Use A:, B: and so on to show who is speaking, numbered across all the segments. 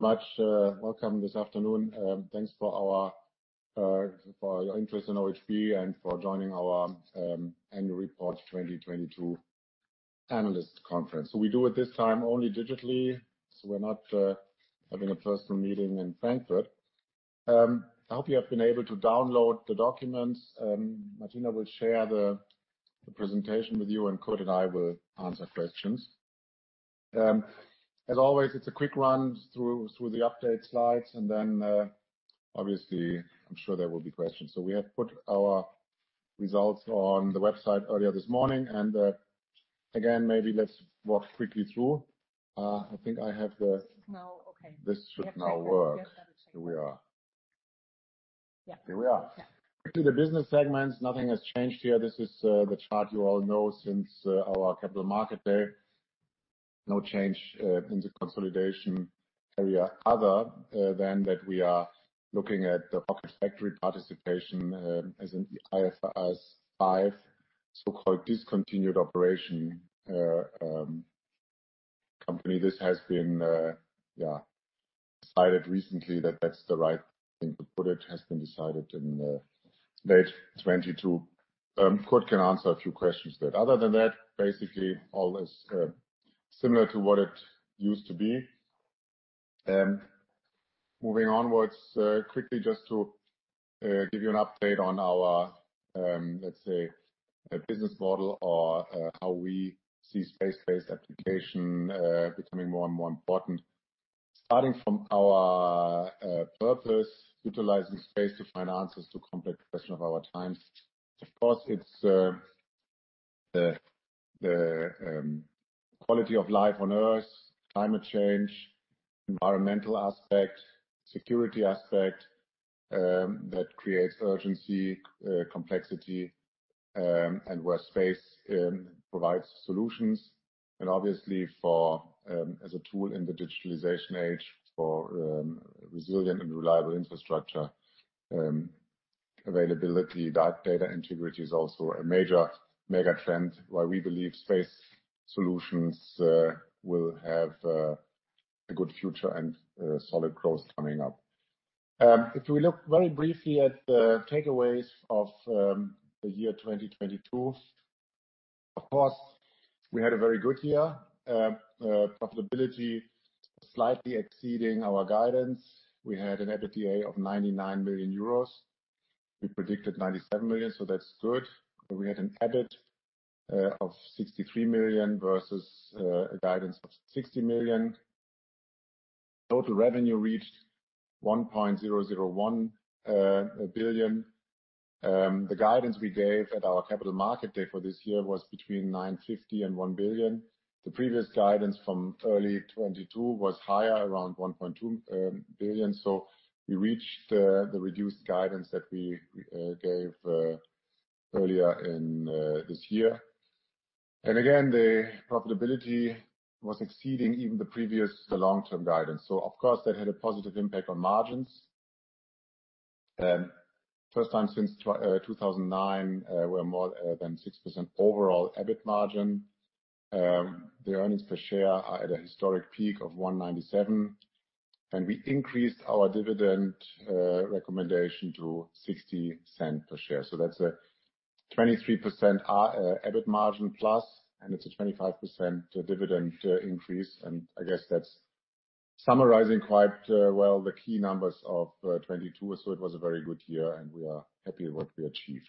A: Much welcome this afternoon. Thanks for your interest in OHB and for joining our annual report 2022 analyst conference. We do it this time only digitally, so we're not having a personal meeting in Frankfurt. I hope you have been able to download the documents. Martina will share the presentation with you, and Kurt and I will answer questions. As always, it's a quick run through the update slides, and then, obviously, I'm sure there will be questions. We have put our results on the website earlier this morning, and again, maybe let's walk quickly through. I think I have.
B: Now, okay.
A: This should now work.
B: We have to check.
A: Here we are.
B: Yeah.
A: Here we are.
B: Yeah.
A: Quickly, the business segments, nothing has changed here. This is the chart you all know since our capital market day. No change in the consolidation area other than that we are looking at the Rocket Factory participation as an IFRS 5, so-called discontinued operation company. This has been decided recently that that's the right thing to put it, has been decided in late 2022. Kurt can answer a few questions there. Other than that, basically all is similar to what it used to be. Moving onwards quickly just to give you an update on our, let's say, a business model or how we see space-based application becoming more and more important. Starting from our purpose, utilizing space to find answers to complex questions of our times. Of course, it's the quality of life on Earth, climate change, environmental aspect, security aspect, that creates urgency, complexity, and where space provides solutions. Obviously for, as a tool in the digitalization age for resilient and reliable infrastructure availability, that data integrity is also a major mega trend why we believe space solutions will have a good future and solid growth coming up. If we look very briefly at the takeaways of the year 2022. Of course, we had a very good year. Profitability slightly exceeding our guidance. We had an EBITDA of 99 million euros. We predicted 97 million, so that's good. We had an EBIT of 63 million versus a guidance of 60 million. Total revenue reached 1.001 billion. The guidance we gave at our Capital Market Day for this year was between 950 million and 1 billion. The previous guidance from early 2022 was higher, around 1.2 billion. We reached the reduced guidance that we gave earlier in this year. Again, the profitability was exceeding even the previous long-term guidance. Of course, that had a positive impact on margins. First time since 2009, we're more than 6% overall EBIT margin. The earnings per share are at a historic peak of 1.97. We increased our dividend recommendation to 0.60 per share. That's a 23% EBIT margin plus, and it's a 25% dividend increase. I guess that's summarizing quite well the key numbers of 2022. It was a very good year, and we are happy with what we achieved.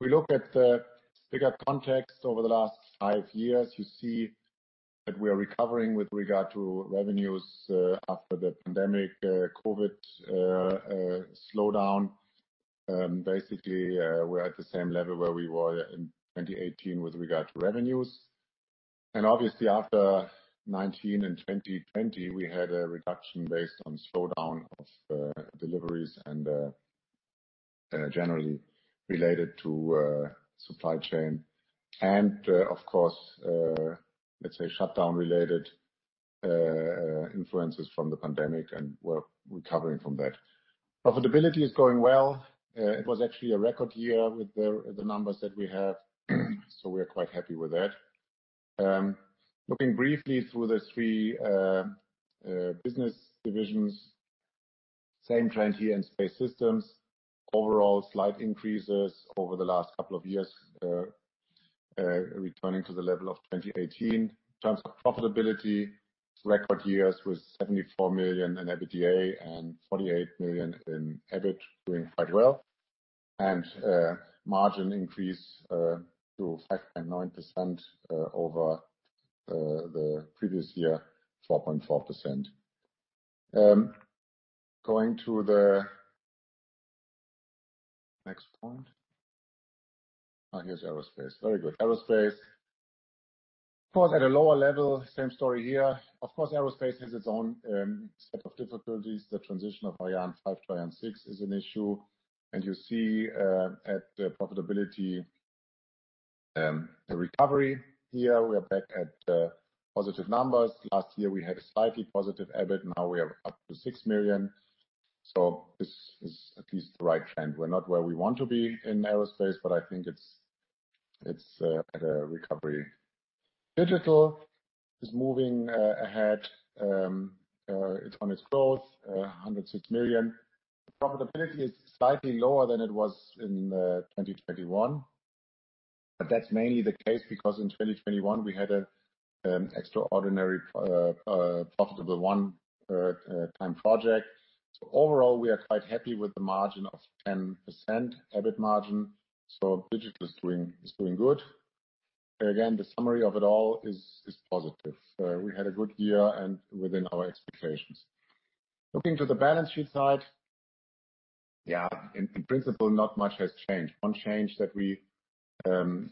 A: If we look at the bigger context over the last five years, you see that we are recovering with regard to revenues, after the pandemic, COVID slowdown. Basically, we're at the same level where we were in 2018 with regard to revenues. Obviously, after 2019 and 2020, we had a reduction based on slowdown of deliveries and generally related to supply chain. Of course, let's say shutdown-related influences from the pandemic, and we're recovering from that. Profitability is going well. It was actually a record year with the numbers that we have, so we are quite happy with that. Looking briefly through the three business divisions. Same trend here in Space Systems. Overall, slight increases over the last couple of years, returning to the level of 2018. In terms of profitability, record years with 74 million in EBITDA and 48 million in EBIT, doing quite well. Margin increase to 5.9% over the previous year, 4.4%. Going to the next point. Here's aerospace. Very good. Aerospace, of course, at a lower level, same story here. Of course, aerospace has its own set of difficulties. The transition of Ariane 5 to Ariane 6 is an issue. You see at the profitability a recovery here. We are back at positive numbers. Last year, we had a slightly positive EBIT. Now we are up to 6 million. This is at least the right trend. We're not where we want to be in aerospace. I think it's at a recovery. Digital is moving ahead. It's on its growth, 106 million. Profitability is slightly lower than it was in 2021. That's mainly the case because in 2021 we had a profitable one-time project. Overall, we are quite happy with the margin of 10% EBIT margin. Digital is doing good. Again, the summary of it all is positive. We had a good year and within our expectations. Looking to the balance sheet side, in principle, not much has changed. One change that we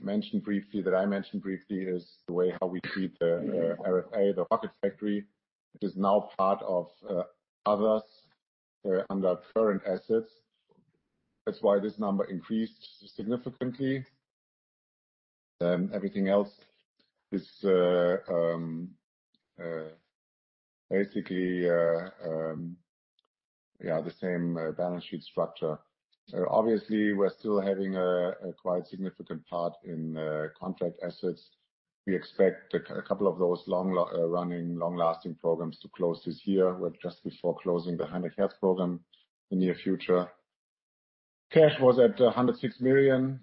A: mentioned briefly is the way how we treat the RFA, the Rocket Factory. It is now part of others under current assets. That's why this number increased significantly. Everything else is basically the same balance sheet structure. Obviously, we're still having a quite significant part in contract assets. We expect a couple of those long-lasting programs to close this year. We're just before closing the Heinrich Hertz program in the near future. Cash was at 106 million.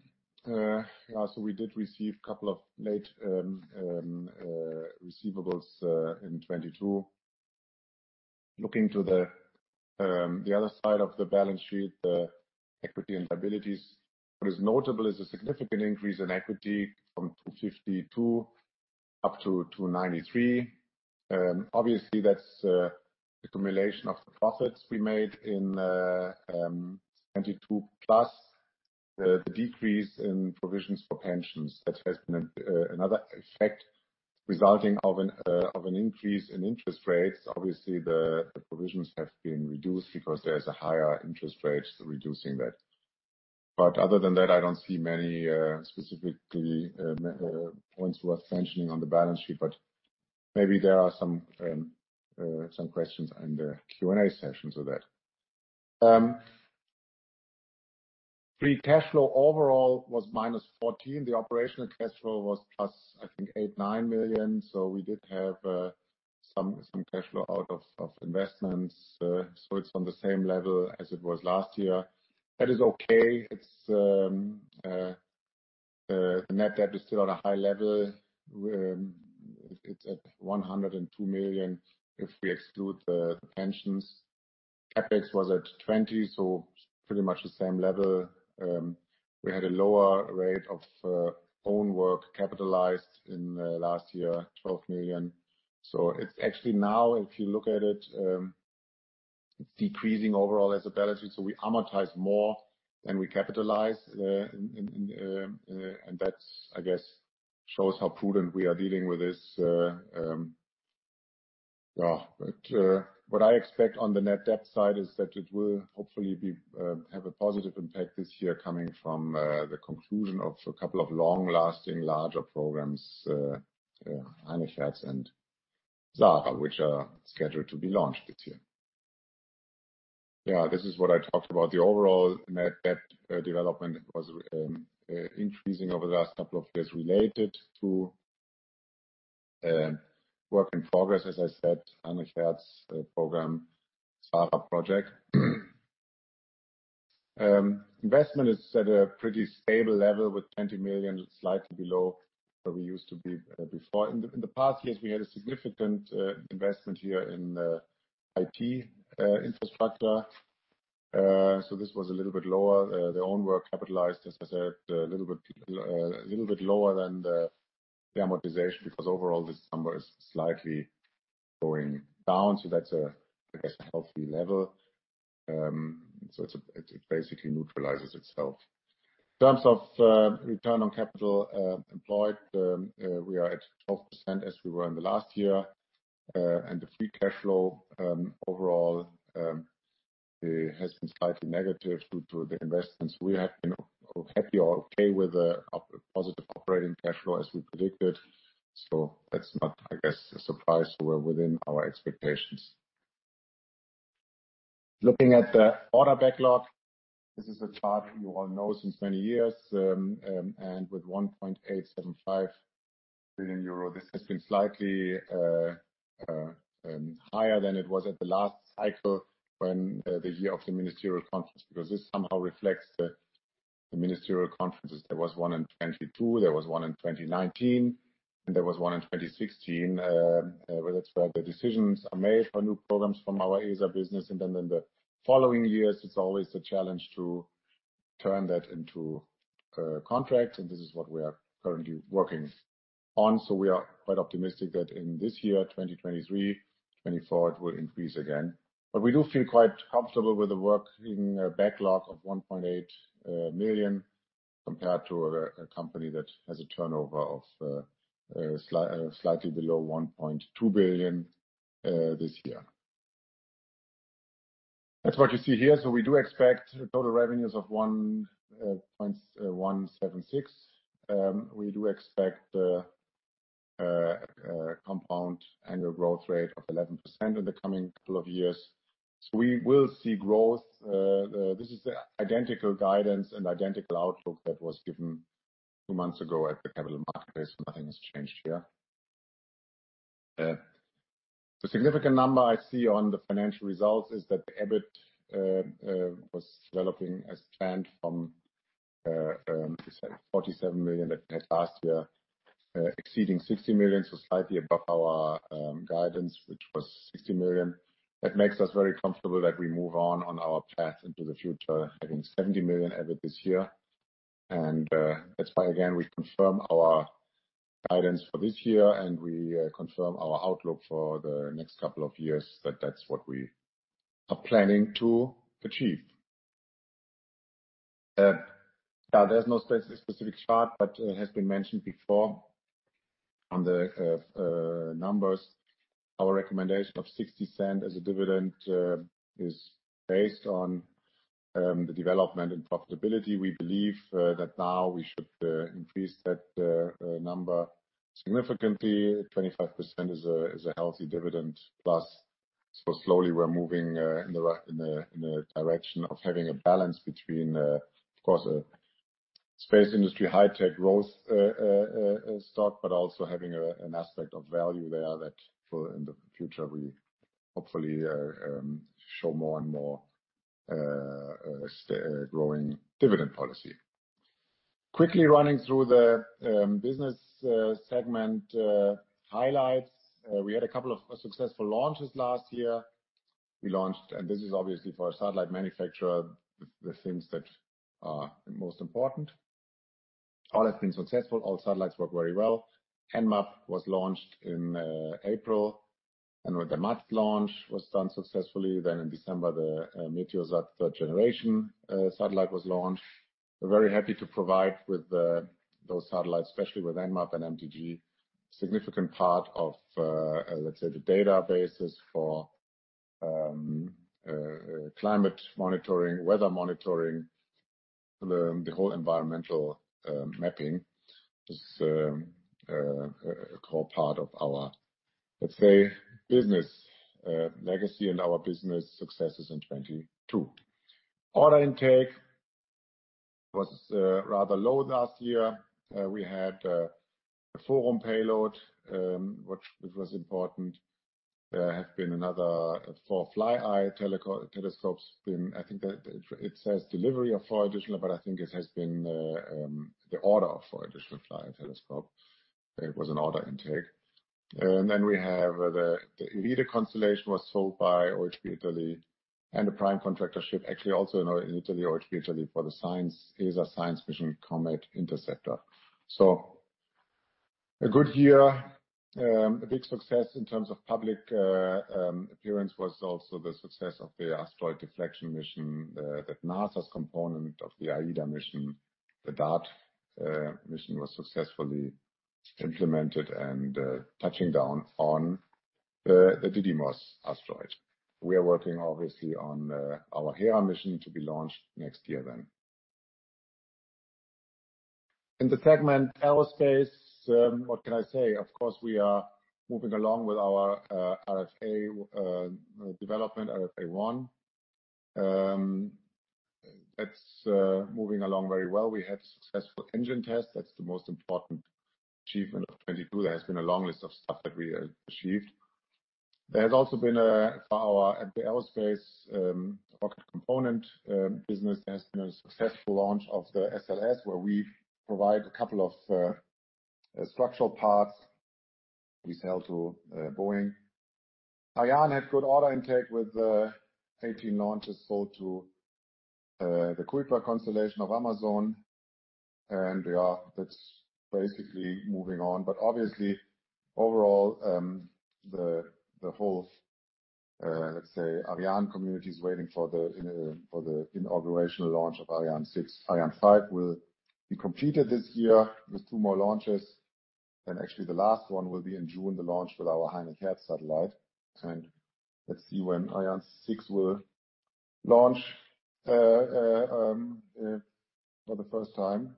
A: Also we did receive couple of late receivables in 2022. Looking to the other side of the balance sheet, the equity and liabilities, what is notable is a significant increase in equity from 252 up to 293. Obviously that's the accumulation of the profits we made in 2022, plus the decrease in provisions for pensions. That has been another effect resulting of an increase in interest rates. Obviously, the provisions have been reduced because there's a higher interest rate reducing that. Other than that, I don't see many specifically points worth mentioning on the balance sheet, but maybe there are some questions in the Q&A session to that. Free cash flow overall was -14 million. The operational cash flow was plus, I think, 8 million-9 million. We did have some cash flow out of investments. It's on the same level as it was last year. That is okay. It's the net debt is still at a high level. It's at 102 million if we exclude the pensions. CapEx was at 20 million, so pretty much the same level. We had a lower rate of own work capitalized in last year, 12 million. It's actually now, if you look at it's decreasing overall as a balance sheet. We amortize more than we capitalize. That's, I guess, shows how prudent we are dealing with this. What I expect on the net debt side is that it will hopefully have a positive impact this year coming from the conclusion of a couple of long-lasting, larger programs, Heinrich Hertz and SARah, which are scheduled to be launched this year. Yeah, this is what I talked about. The overall net debt development was increasing over the last couple of years related to work in progress, as I said, Heinrich Hertz program, SARah project. Investment is at a pretty stable level with 20 million, slightly below where we used to be before. In the, in the past years, we had a significant investment year in IT infrastructure. This was a little bit lower. Their own work capitalized, as I said, a little bit lower than the amortization, because overall this number is slightly going down. That's a, I guess, a healthy level. It basically neutralizes itself. In terms of return on capital employed, we are at 12% as we were in the last year. The free cash flow overall has been slightly negative due to the investments. We have been happy or okay with the positive operating cash flow as we predicted. That's not, I guess, a surprise. We're within our expectations. Looking at the order backlog, this is a chart you all know since many years. With 1.875 billion euro, this has been slightly higher than it was at the last cycle when the year of the Ministerial Conference. This somehow reflects the Ministerial Conferences. There was one in 2022, there was one in 2019, and there was one in 2016. That's where the decisions are made for new programs from our ESA business. In the following years, it's always a challenge to turn that into contracts, and this is what we are currently working on. We are quite optimistic that in this year, 2023, 2024, it will increase again. We do feel quite comfortable with the work in the backlog of 1.8 million compared to a company that has a turnover of slightly below 1.2 billion this year. That's what you see here. We do expect total revenues of 1.176 million. We do expect a compound annual growth rate of 11% in the coming couple of years. We will see growth. This is the identical guidance and identical outlook that was given two months ago at the capital marketplace. Nothing has changed here. The significant number I see on the financial results is that the EBIT was developing as planned from 47 million that we had last year, exceeding 60 million, so slightly above our guidance, which was 60 million. That makes us very comfortable that we move on our path into the future, having 70 million EBIT this year. That's why again, we confirm our guidance for this year and we confirm our outlook for the next couple of years that that's what we are planning to achieve. Now there's no specific chart, but it has been mentioned before on the numbers. Our recommendation of 0.60 as a dividend is based on the development and profitability. We believe that now we should increase that number significantly. 25% is a healthy dividend plus. Slowly we're moving in the direction of having a balance between, of course, a space industry high tech growth stock, but also having an aspect of value there that for in the future will hopefully show more and more growing dividend policy. Quickly running through the business segment highlights. We had a couple of successful launches last year. We launched, and this is obviously for a satellite manufacturer, the things that are most important. All have been successful. All satellites work very well. EnMAP was launched in April, and with the MATS launch was done successfully. In December, the Meteosat Third Generation satellite was launched. We're very happy to provide with those satellites, especially with EnMAP and MTG, significant part of, let's say, the databases for climate monitoring, weather monitoring, the whole environmental mapping is a core part of our, let's say, business legacy and our business successes in 2022. Order intake was rather low last year. We had a FORUM payload, which was important. There have been another four FlyEye telescopes been, I think that it says delivery of four additional, but I think it has been the order of four additional FlyEye telescope. It was an order intake. We have the IRIDE constellation was sold by OHB Italia and a prime contractorship actually also in Italy, OHB Italia for the science, ESA science mission Comet Interceptor. A good year. A big success in terms of public appearance was also the success of the asteroid deflection mission that NASA's component of the AIDA mission, the DART mission was successfully implemented and touching down on the Didymos asteroid. We are working obviously on our Hera mission to be launched next year then. In the segment aerospace, what can I say? Of course, we are moving along with our RFA development, RFA One. That's moving along very well. We had successful engine tests. That's the most important achievement of 2022. There has been a long list of stuff that we achieved. There has also been a, for our, at the aerospace rocket component business, there's been a successful launch of the SLS, where we provide a couple of structural parts we sell to Boeing. Ariane had good order intake with 18 launches sold to the Kuiper constellation of Amazon, that's basically moving on. Obviously, overall, the whole, let's say, Ariane community is waiting for the inaugurational launch of Ariane 6. Ariane 5 will be completed this year with two more launches, actually the last one will be in June, the launch with our Heinrich Hertz satellite. Let's see when Ariane 6 will launch for the first time.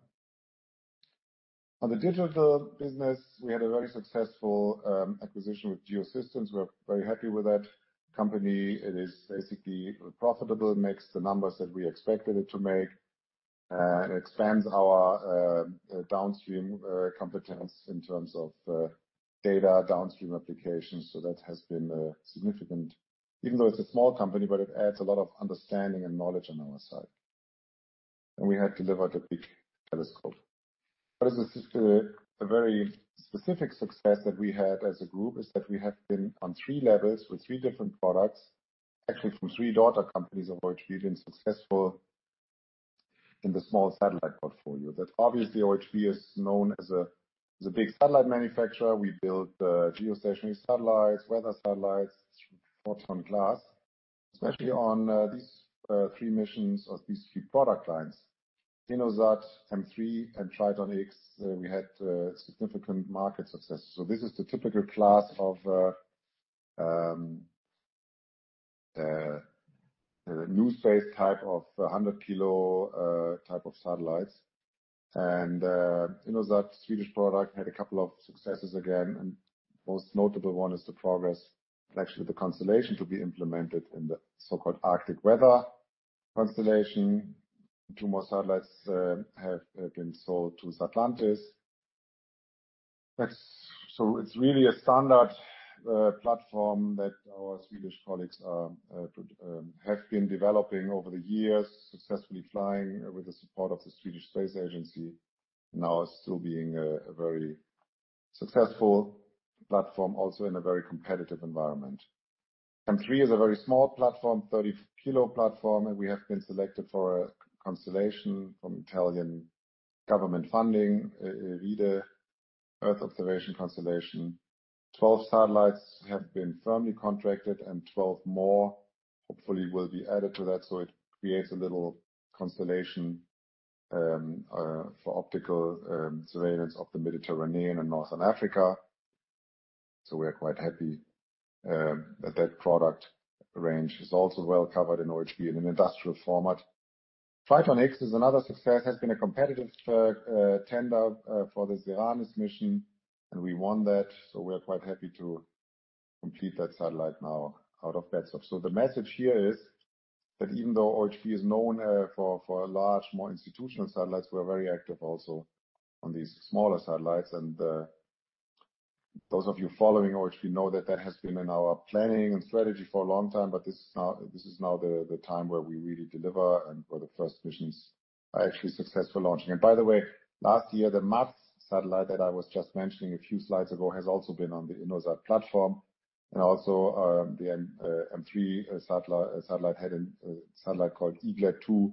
A: On the digital business, we had a very successful acquisition with GEOSYSTEMS. We're very happy with that company. It is basically profitable. It makes the numbers that we expected it to make, it expands our downstream competence in terms of data downstream applications. That has been significant, even though it's a small company, but it adds a lot of understanding and knowledge on our side. We had delivered a big telescope. This is just a very specific success that we had as a group, is that we have been on three levels with three different products, actually from three daughter companies of OHB, been successful in the small satellite portfolio. That obviously, OHB is known as a big satellite manufacturer. We build geostationary satellites, weather satellites, photon class, especially on these three missions of these three product lines. InnoSat, M3 Platform, and Triton-X, we had significant market success. This is the typical class of the new space type of 100 kilo type of satellites. You know, that Swedish product had a couple of successes again, and most notable one is the progress, actually the constellation to be implemented in the so-called Arctic Weather Constellation. Two more satellites have been sold to Satlantis. It's really a standard platform that our Swedish colleagues have been developing over the years, successfully flying with the support of the Swedish Space Agency, now still being a very successful platform also in a very competitive environment. M3 is a very small platform, 30 kilo platform, and we have been selected for a constellation from Italian government funding, IRIDE Earth observation constellation. Twelve satellites have been firmly contracted and twelve more hopefully will be added to that, so it creates a little constellation, for optical, surveillance of the Mediterranean and Northern Africa. We are quite happy that that product range is also well covered in OHB in an industrial format. Triton-X is another success. Has been a competitive tender for the SARah Mission, and we won that, so we are quite happy to complete that satellite now [out of bed]. The message here is that even though OHB is known for large, more institutional satellites, we are very active also on these smaller satellites. Those of you following OHB know that that has been in our planning and strategy for a long time, but this is now the time where we really deliver and where the first missions are actually successful launching. By the way, last year, the MATS satellite that I was just mentioning a few slides ago has also been on the InnoSat platform, also, the M3 Platform satellite had a satellite called EAGLET-2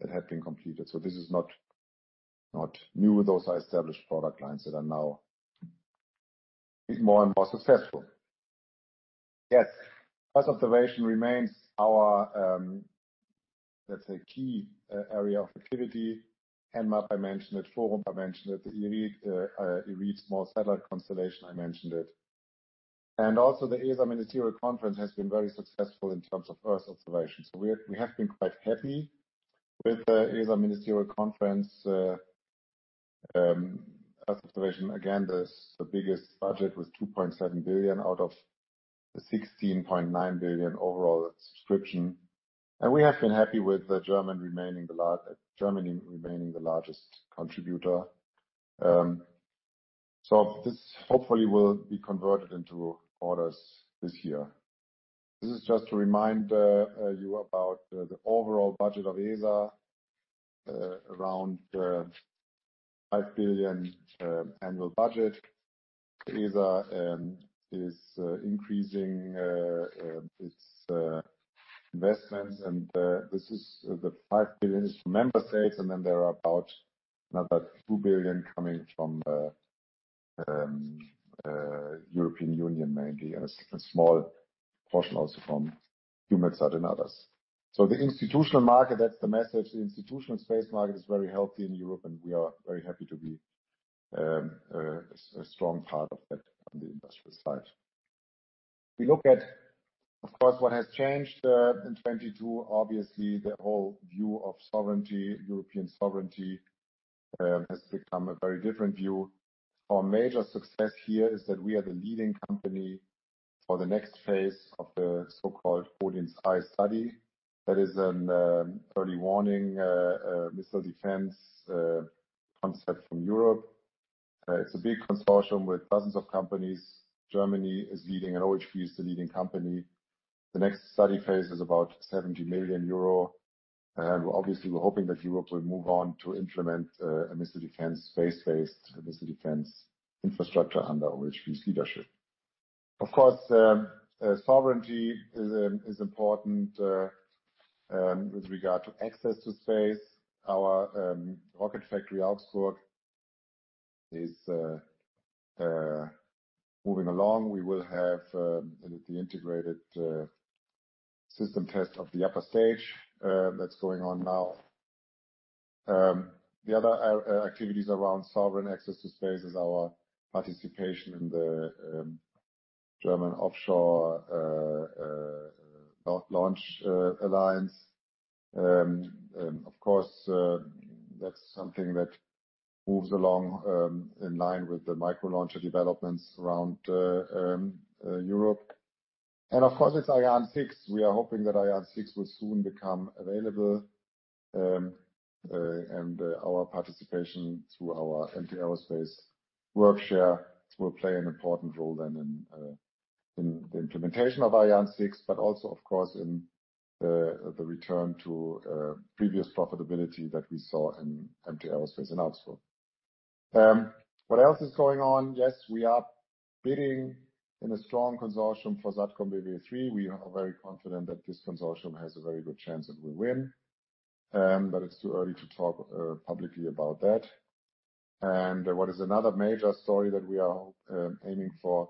A: that had been completed. This is not new. Those are established product lines that are now more and more successful. Yes, Earth observation remains our, let's say, key area of activity. EnMAP, I mentioned it. FORUM, I mentioned it. The IRIDE small satellite constellation, I mentioned it. Also the ESA Ministerial Conference has been very successful in terms of Earth Observation. We have been quite happy with the ESA Ministerial Conference, Earth Observation. Again, this, the biggest budget was 2.7 billion out of the 16.9 billion overall subscription. We have been happy with Germany remaining the largest contributor. This hopefully will be converted into orders this year. This is just to remind you about the overall budget of ESA, around 5 billion annual budget. ESA is increasing its investments and this is the 5 billion is from member states, and then there are about another 2 billion coming from European Union mainly, and a small portion also from EUMETSAT and others. The institutional market, that's the message. The institutional space market is very healthy in Europe, and we are very happy to be a strong part of that on the industrial side. We look at, of course, what has changed in 2022. Obviously, the whole view of sovereignty, European sovereignty, has become a very different view. Our major success here is that we are the leading company for the next phase of the so-called Odin's Eye study. That is an early warning missile defense concept from Europe. It's a big consortium with dozens of companies. Germany is leading. OHB is the leading company. The next study phase is about 70 million euro. Obviously, we're hoping that Europe will move on to implement a missile defense, space-based missile defense infrastructure under OHB's leadership. Of course, sovereignty is important with regard to access to space. Our Rocket Factory Augsburg is moving along. We will have the integrated system test of the upper stage that's going on now. The other activities around sovereign access to space is our participation in the German Offshore Spaceport Alliance. Of course, that's something that moves along in line with the micro-launcher developments around Europe. Of course, it's Ariane 6. We are hoping that Ariane 6 will soon become available, and our participation through our MT Aerospace work share will play an important role then in the implementation of Ariane 6, but also, of course, in the return to previous profitability that we saw in MT Aerospace in Augsburg. What else is going on? Yes, we are bidding in a strong consortium for SATCOMBw 3. We are very confident that this consortium has a very good chance that we'll win, but it's too early to talk publicly about that. What is another major story that we are aiming for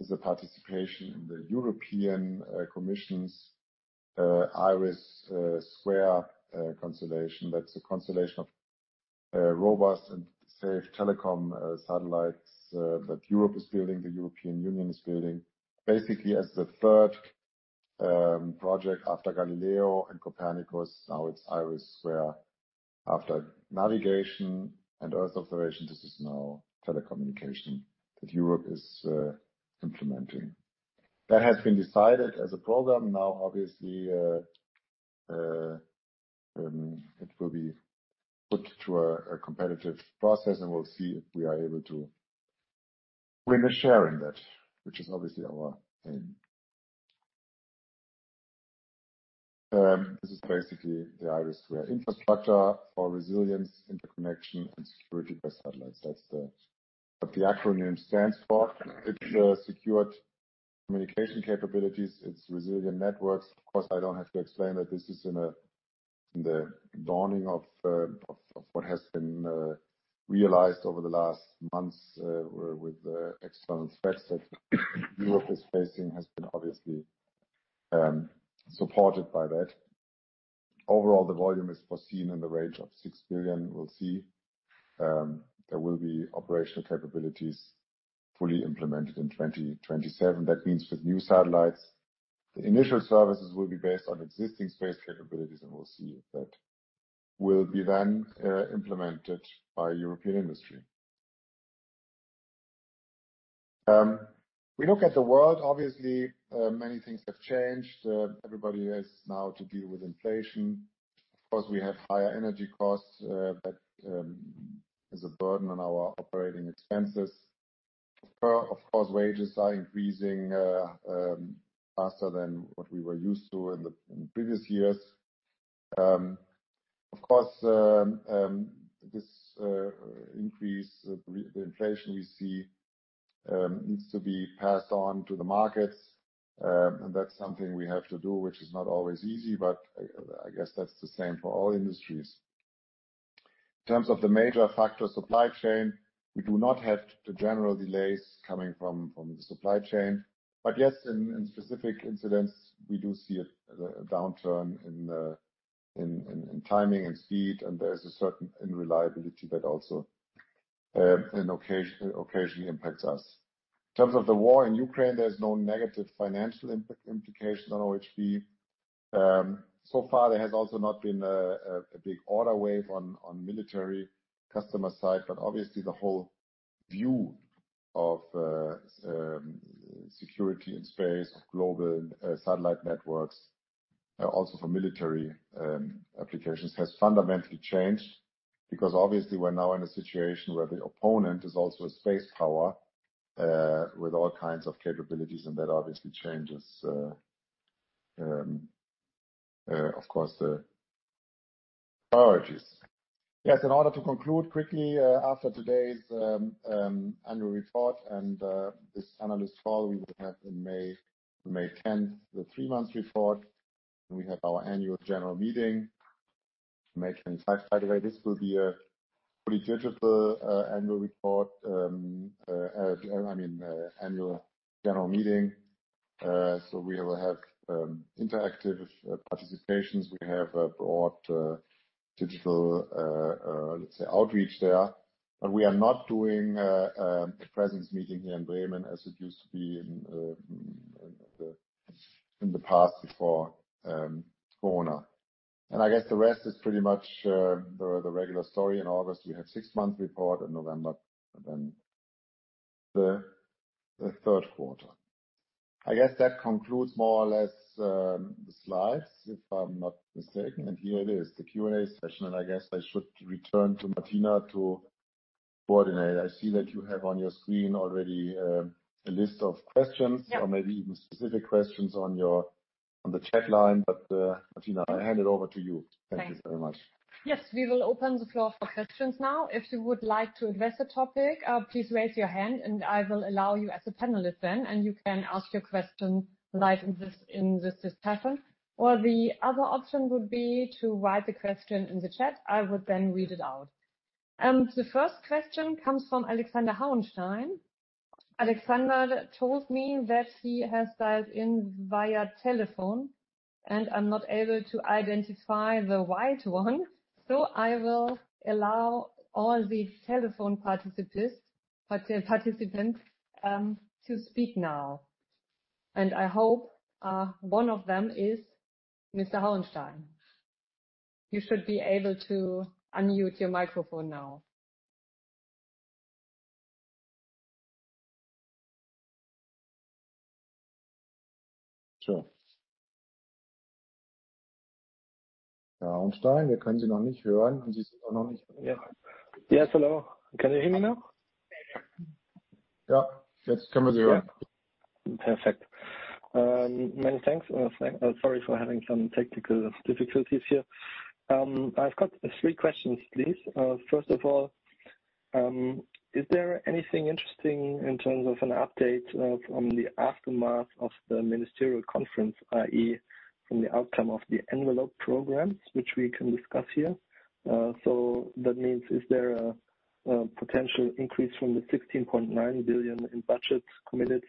A: is the participation in the European Commission's IRIS² constellation. That's a constellation of robust and safe telecom satellites that Europe is building, the European Union is building. Basically as the third project after Galileo and Copernicus, now it's IRIS², where after navigation and earth observation, this is now telecommunication that Europe is implementing. That has been decided as a program. Obviously, it will be put to a competitive process, and we'll see if we are able to win a share in that, which is obviously our aim. This is basically the IRIS² infrastructure for resilience, interconnection, and security by satellites. That's what the acronym stands for. It's secured communication capabilities. It's resilient networks. Of course, I don't have to explain that this is in the dawning of what has been realized over the last months, with the external threats that Europe is facing, has been obviously supported by that. Overall, the volume is foreseen in the range of 6 billion. We'll see. There will be operational capabilities fully implemented in 2027. That means with new satellites. The initial services will be based on existing space capabilities, and we'll see if that will be then implemented by European industry. We look at the world, obviously, many things have changed. Everybody has now to deal with inflation. Of course, we have higher energy costs that is a burden on our operating expenses. Of course, wages are increasing faster than what we were used to in the previous years. Of course, this increase of the inflation we see needs to be passed on to the markets. That's something we have to do, which is not always easy, but I guess that's the same for all industries. In terms of the major factor supply chain, we do not have the general delays coming from the supply chain. Yes, in specific incidents, we do see a downturn in timing and speed, and there's a certain unreliability that also occasionally impacts us. In terms of the war in Ukraine, there's no negative financial implication on OHB. So far, there has also not been a big order wave on military customer side. Obviously the whole view of security in space, of global satellite networks, also for military applications, has fundamentally changed. Obviously we are now in a situation where the opponent is also a space power, with all kinds of capabilities, and that obviously changes, of course, the priorities. In order to conclude quickly, after today's annual report and this analyst call, we will have in May 10th, the three months report, and we have our annual general meeting, May 25th. By the way, this will be a pretty digital annual report, I mean, annual general meeting. We will have interactive participations. We have a broad digital, let's say, outreach there. We are not doing a presence meeting here in Bremen as it used to be in the past before corona. I guess the rest is pretty much the regular story. In August, we have six months report. In November, then the third quarter. I guess that concludes more or less the slides, if I'm not mistaken. Here it is, the Q&A session. I guess I should return to Martina to coordinate. I see that you have on your screen already a list of questions.
B: Yeah.
A: Maybe even specific questions on your, on the chat line. Martina, I hand it over to you.
B: Thanks.
A: Thank you very much.
B: Yes, we will open the floor for questions now. If you would like to address a topic, please raise your hand, I will allow you as a panelist then, you can ask your question live in this discussion. The other option would be to write the question in the chat. I would then read it out. The first question comes from Alexander Hauenstein. Alexander told me that he has dialed in via telephone, I'm not able to identify the right one, I will allow all the telephone participants to speak now. I hope one of them is Mr. Hauenstein. You should be able to unmute your microphone now.
A: Sure.
C: Yes, hello. Can you hear me now?
A: Yeah.
C: Perfect. Many thanks. Sorry for having some technical difficulties here. I've got three questions, please. First of all, is there anything interesting in terms of an update from the aftermath of the ministerial conference, i.e., from the outcome of the envelope programs which we can discuss here? That means is there? Potential increase from the 16.9 billion in budgets committed,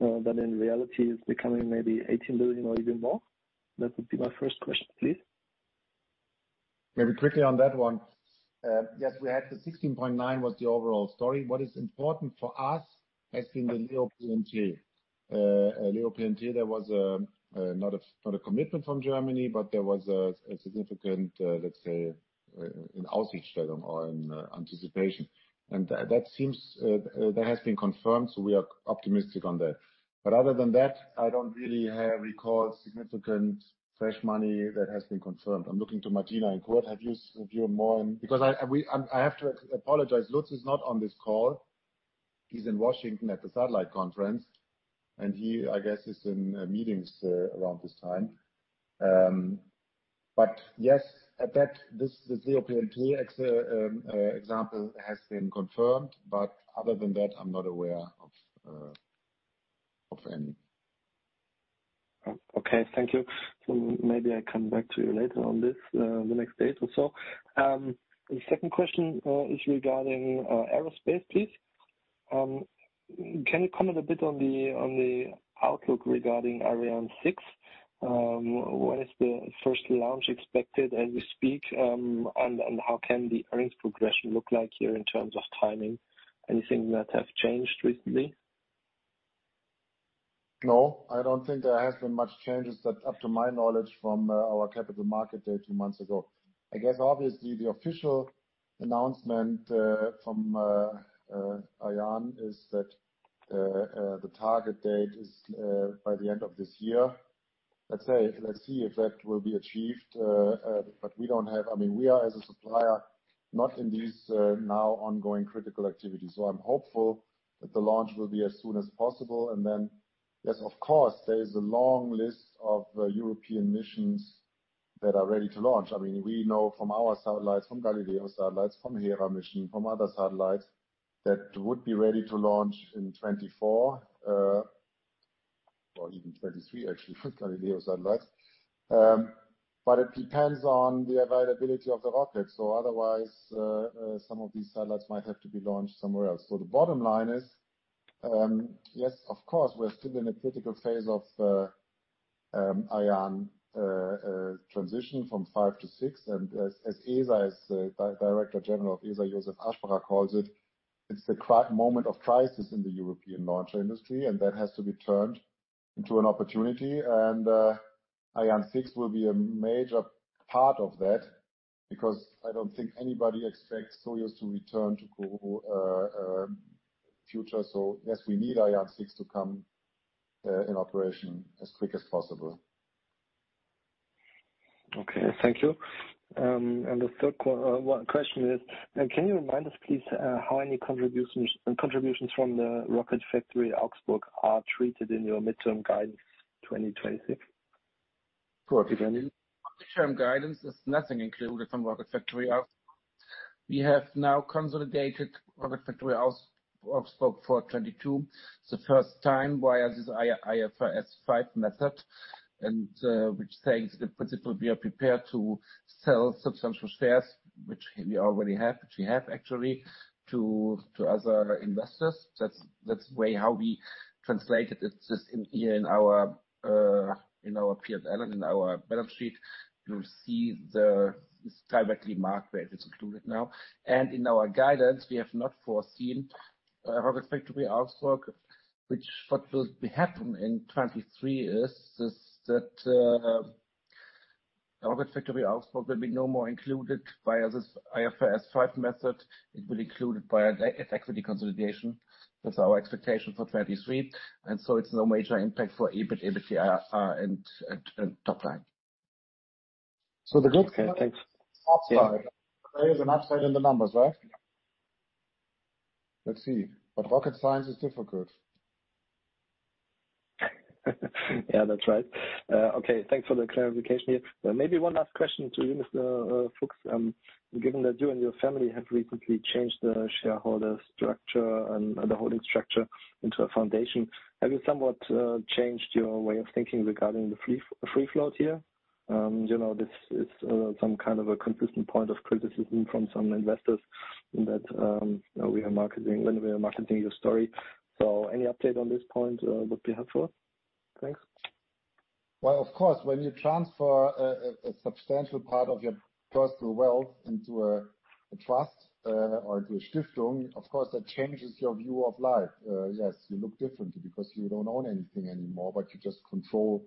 C: that in reality is becoming maybe 18 billion or even more. That would be my first question, please.
A: Maybe quickly on that one. Yes, we had the 16.9 was the overall story. What is important for us has been the LEO-PNT. LEO-PNT, there was not a commitment from Germany, but there was a significant, let's say, an outreach program or an anticipation. That, that seems that has been confirmed, so we are optimistic on that. Other than that, I don't really have recalled significant fresh money that has been confirmed. I'm looking to Martina and Kurt, have yous, have you more in? I have to apologize, Lutz is not on this call. He's in Washington at the satellite conference, and he, I guess, is in meetings around this time. Yes, at that, this LEO-PNT example has been confirmed, but other than that, I'm not aware of any.
C: Okay, thank you. Maybe I come back to you later on this, the next days or so. The second question is regarding aerospace, please. Can you comment a bit on the, on the outlook regarding Ariane 6? When is the first launch expected as we speak, and how can the earnings progression look like here in terms of timing? Anything that have changed recently?
A: No, I don't think there has been much changes that up to my knowledge from our capital market day two months ago. I guess obviously the official announcement from Ariane is that the target date is by the end of this year. Let's say, let's see if that will be achieved. But we don't have. I mean, we are as a supplier, not in these now ongoing critical activities. I'm hopeful that the launch will be as soon as possible. Then, yes, of course, there is a long list of European missions that are ready to launch. I mean, we know from our satellites, from Galileo satellites, from Hera mission, from other satellites, that would be ready to launch in 2024, or even 2023, actually, for Galileo satellites. It depends on the availability of the rockets, or otherwise, some of these satellites might have to be launched somewhere else. The bottom line is, yes, of course, we're still in a critical phase of Ariane transition from 5 to 6. As, as ESA, as Director General of ESA, Josef Aschbacher calls it's the moment of crisis in the European launcher industry, and that has to be turned into an opportunity. Ariane 6 will be a major part of that because I don't think anybody expects Soyuz to return to future. Yes, we need Ariane 6 to come in operation as quick as possible.
C: Okay. Thank you. The third one question is, can you remind us, please, how any contributions from the Rocket Factory Augsburg are treated in your midterm guidance 2026?
A: Kurt, you can-
D: Midterm guidance, there's nothing included from Rocket Factory Augsburg. We have now consolidated Rocket Factory Augsburg for 2022. The first time via this IFRS 5 method, which says the principle we are prepared to sell substantial shares, which we already have, which we have actually, to other investors. That's the way how we translate it. It's just in our PL and in our balance sheet, you see it's directly marked where it's included now. In our guidance, we have not foreseen Rocket Factory Augsburg, which what will be happen in 2023 is that Rocket Factory Augsburg will be no more included via this IFRS 5 method. It will include it via the equity consolidation. That's our expectation for 2023. So it's no major impact for EBIT, EBITDA and top line.
C: The good side, there is an upside in the numbers, right?
A: Let's see. Rocket science is difficult.
C: Yeah, that's right. Okay, thanks for the clarification here. Maybe one last question to you, Mr. Fuchs. Given that you and your family have recently changed the shareholder structure and the holding structure into a foundation, have you somewhat changed your way of thinking regarding the free float here? You know, this is some kind of a consistent point of criticism from some investors in that when we are marketing your story. Any update on this point would be helpful. Thanks.
A: Well, of course, when you transfer a substantial part of your personal wealth into a trust, or into a Stiftung, of course, that changes your view of life. Yes, you look differently because you don't own anything anymore, but you just control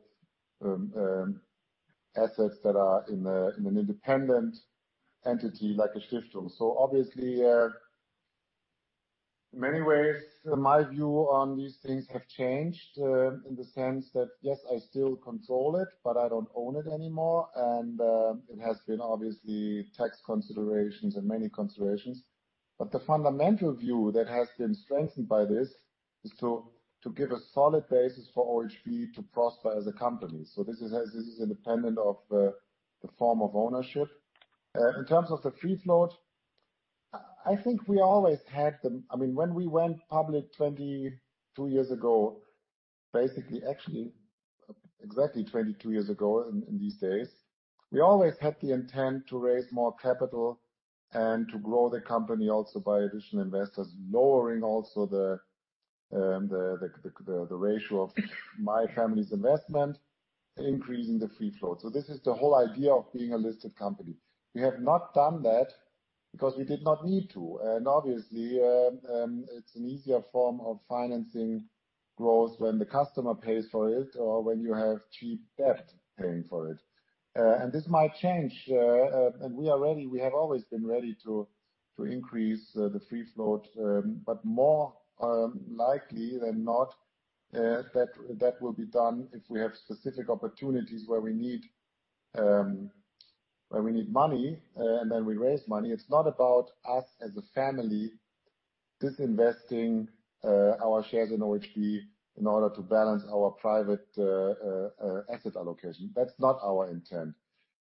A: assets that are in an independent entity like a Stiftung. Obviously, in many ways, my view on these things have changed in the sense that, yes, I still control it, but I don't own it anymore. It has been obviously tax considerations and many considerations. The fundamental view that has been strengthened by this is to give a solid basis for OHB to prosper as a company. This is independent of the form of ownership. In terms of the free float, I think we always had them. I mean, when we went public 22 years ago, basically, Exactly 22 years ago in these days. We always had the intent to raise more capital and to grow the company also by additional investors, lowering also the ratio of my family's investment, increasing the free float. This is the whole idea of being a listed company. We have not done that because we did not need to. Obviously, it's an easier form of financing growth when the customer pays for it or when you have cheap debt paying for it. This might change, and we are ready. We have always been ready to increase the free float. More likely than not, that will be done if we have specific opportunities where we need, where we need money, and then we raise money. It's not about us as a family disinvesting our shares in OHB in order to balance our private asset allocation. That's not our intent.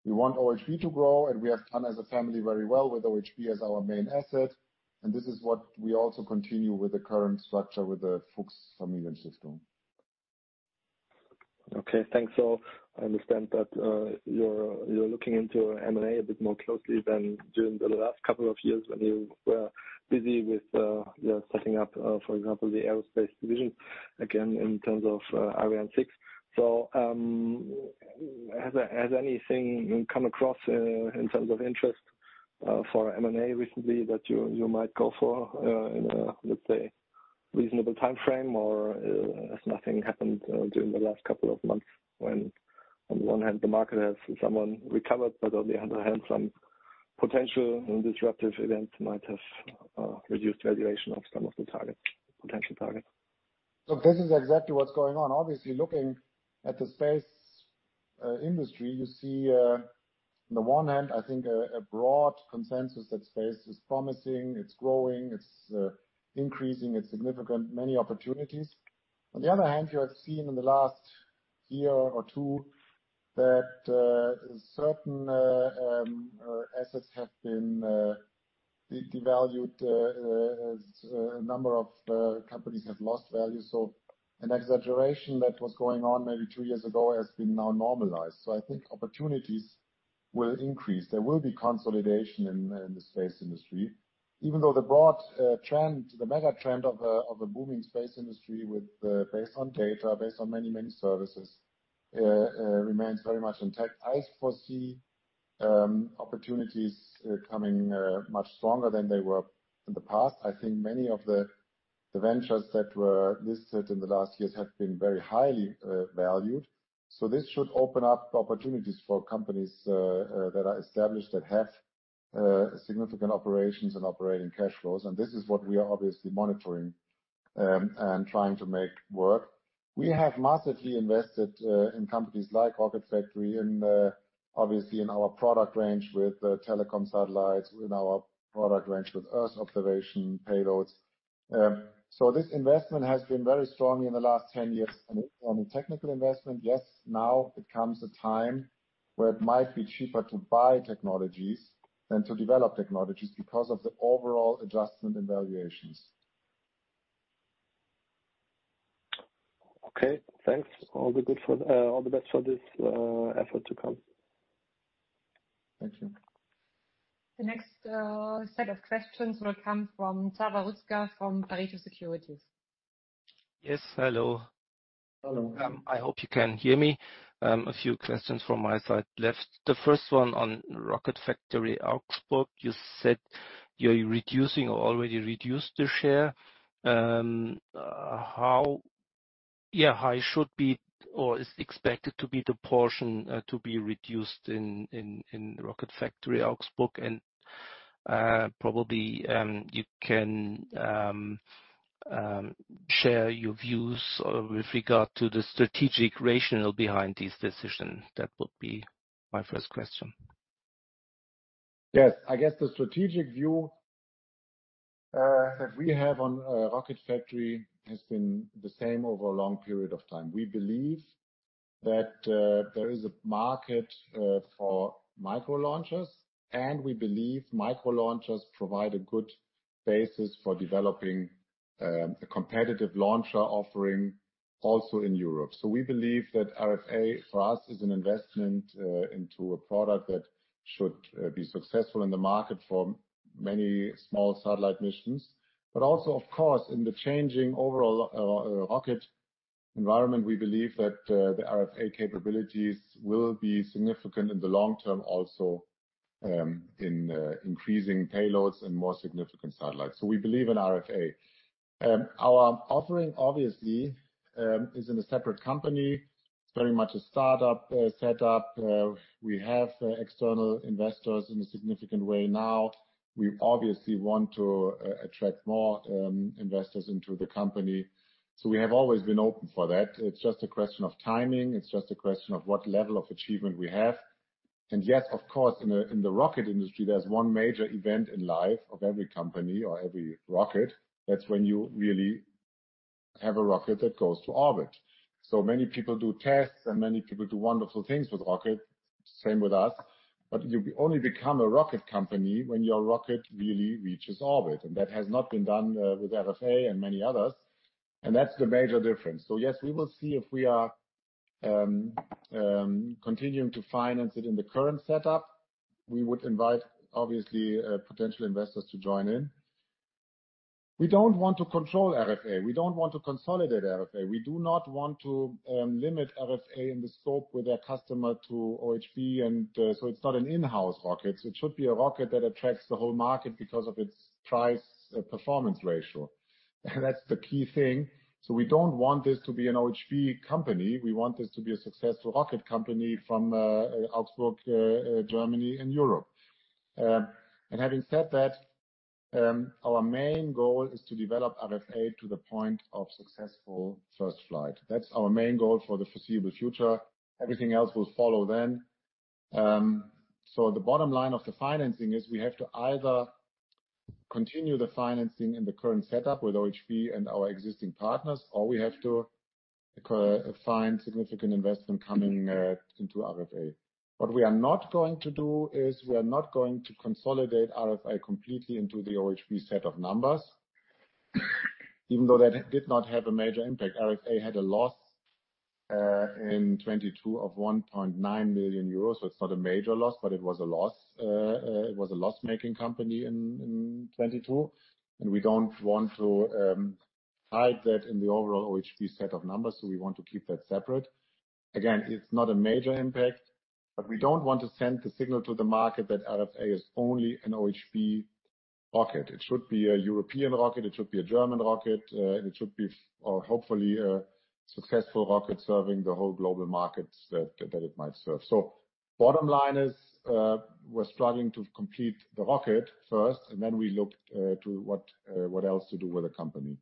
A: We want OHB to grow, and we have done as a family very well with OHB as our main asset, and this is what we also continue with the current structure with the Fuchs-Familienstiftung.
C: Okay, thanks all. I understand that you're looking into M&A a bit more closely than during the last couple of years when you were busy with, you know, setting up, for example, the aerospace division again in terms of Ariane 6. Has anything come across in terms of interest for M&A recently that you might go for in a, let's say, reasonable timeframe? Has nothing happened during the last couple of months when on the one hand, the market has somewhat recovered, but on the other hand, some potential disruptive events might have reduced valuation of some of the targets, potential targets.
A: Look, this is exactly what's going on. Obviously, looking at the space industry, you see on the one hand, I think a broad consensus that space is promising, it's growing, it's increasing, it's significant, many opportunities. On the other hand, you have seen in the last one or two years that certain assets have been devalued as a number of companies have lost value. An exaggeration that was going on maybe two years ago has been now normalized. I think opportunities will increase. There will be consolidation in the space industry. Even though the broad trend, the mega trend of the booming space industry based on data, based on many, many services, remains very much intact. I foresee opportunities coming much stronger than they were in the past. I think many of the ventures that were listed in the last years have been very highly valued. This should open up opportunities for companies that are established, that have significant operations and operating cash flows. This is what we are obviously monitoring and trying to make work. We have massively invested in companies like Rocket Factory and obviously in our product range with telecom satellites, in our product range with Earth observation payloads. This investment has been very strong in the last 10 years. On the technical investment, yes, now it comes a time where it might be cheaper to buy technologies than to develop technologies because of the overall adjustment and valuations.
C: Okay, thanks. All the best for this effort to come.
A: Thank you.
B: The next set of questions will come from Zafer Rüzgar from Pareto Securities.
E: Yes, hello.
A: Hello.
E: I hope you can hear me. A few questions from my side left. The first one on Rocket Factory Augsburg. You said you're reducing or already reduced the share. How it should be or is expected to be the portion to be reduced in Rocket Factory Augsburg? Probably, you can share your views or with regard to the strategic rationale behind this decision. That would be my first question.
A: Yes. I guess the strategic view that we have on Rocket Factory has been the same over a long period of time. We believe that there is a market for micro launchers, and we believe micro launchers provide a good basis for developing a competitive launcher offering also in Europe. We believe that RFA, for us, is an investment into a product that should be successful in the market for many small satellite missions. Also, of course, in the changing overall rocket environment, we believe that the RFA capabilities will be significant in the long term also in increasing payloads and more significant satellites. We believe in RFA. Our offering obviously is in a separate company. It's very much a startup set up. We have external investors in a significant way now. We obviously want to attract more investors into the company. We have always been open for that. It's just a question of timing. It's just a question of what level of achievement we have. Yes, of course, in the rocket industry, there's one major event in life of every company or every rocket. That's when you really have a rocket that goes to orbit. Many people do tests and many people do wonderful things with rockets. Same with us. But you only become a rocket company when your rocket really reaches orbit, and that has not been done with RFA and many others, and that's the major difference. Yes, we will see if we are continuing to finance it in the current setup. We would invite, obviously, potential investors to join in. We don't want to control RFA. We don't want to consolidate RFA. We do not want to limit RFA in the scope with their customer to OHB. It's not an in-house rocket. It should be a rocket that attracts the whole market because of its price-performance ratio. That's the key thing. We don't want this to be an OHB company. We want this to be a successful rocket company from Augsburg, Germany and Europe. Having said that, our main goal is to develop RFA to the point of successful first flight. That's our main goal for the foreseeable future. Everything else will follow then. The bottom line of the financing is we have to either continue the financing in the current setup with OHB and our existing partners, or we have to find significant investment coming into RFA. What we are not going to do is we are not going to consolidate RFA completely into the OHB set of numbers, even though that did not have a major impact. RFA had a loss in 2022 of 1.9 million euros, so it's not a major loss, but it was a loss. It was a loss-making company in 2022, and we don't want to hide that in the overall OHB set of numbers, so we want to keep that separate. Again, it's not a major impact, but we don't want to send the signal to the market that RFA is only an OHB rocket. It should be a European rocket. It should be a German rocket. It should be, or hopefully a successful rocket serving the whole global markets that it might serve. Bottom line is, we're struggling to complete the rocket first, and then we look to what else to do with the company.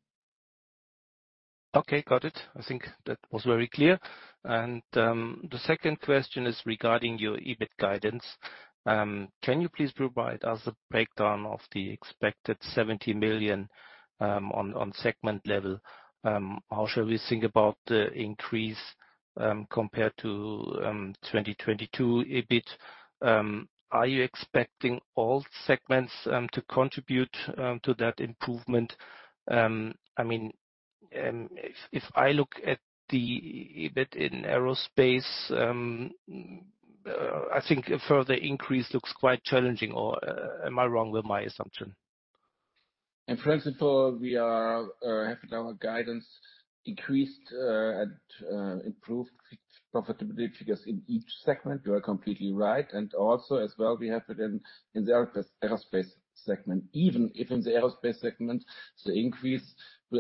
E: Okay, got it. I think that was very clear. The second question is regarding your EBIT guidance. Can you please provide us a breakdown of the expected 70 million on segment level? How shall we think about the increase compared to 2022 EBIT? Are you expecting all segments to contribute to that improvement? I mean, if I look at the EBIT in aerospace, I think a further increase looks quite challenging or, am I wrong with my assumption?
D: In principle, we are, have our guidance increased, and, improved profitability figures in each segment. You are completely right. Also as well, we have it in the aerospace segment. Even if in the aerospace segment, the increase,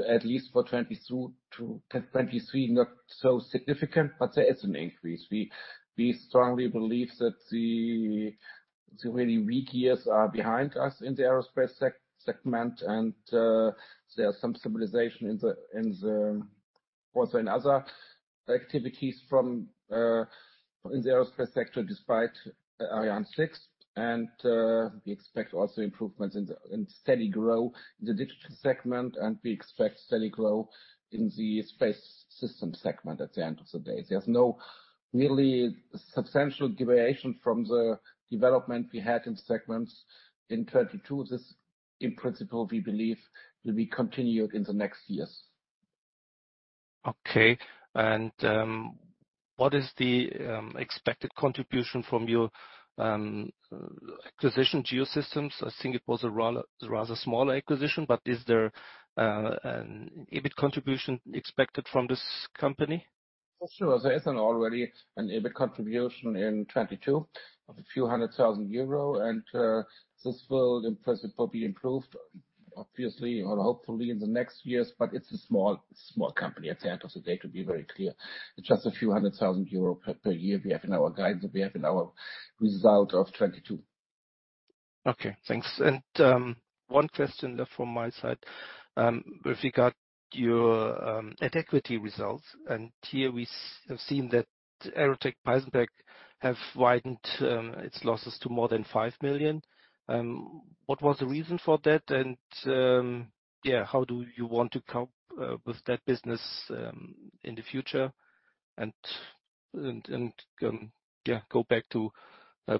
D: at least for 2022 to 2023, not so significant, but there is an increase. We, we strongly believe that the really weak years are behind us in the aerospace segment and, there are some stabilization in the, also in other activities from, in the aerospace sector, despite Ariane 6. We expect also improvements in the, in steady growth in the digital segment, and we expect steady growth in the space system segment at the end of the day. There's no really substantial deviation from the development we had in segments in 2022. This, in principle, we believe will be continued in the next years.
E: Okay. What is the expected contribution from your acquisition GEOSYSTEMS? I think it was a rather small acquisition, but is there an EBIT contribution expected from this company?
D: Sure. There is already an EBIT contribution in 2022 of a few hundred thousand EUR. This will in principle be improved, obviously or hopefully in the next years. It's a small company at the end of the day, to be very clear. It's just a few hundred thousand EUR per year we have in our guidance, we have in our result of 2022.
E: Okay, thanks. One question left from my side, with regard your at equity results, here we have seen that Aerotech Peissenberg have widened its losses to more than 5 million. What was the reason for that? How do you want to cope with that business in the future and, yeah, go back to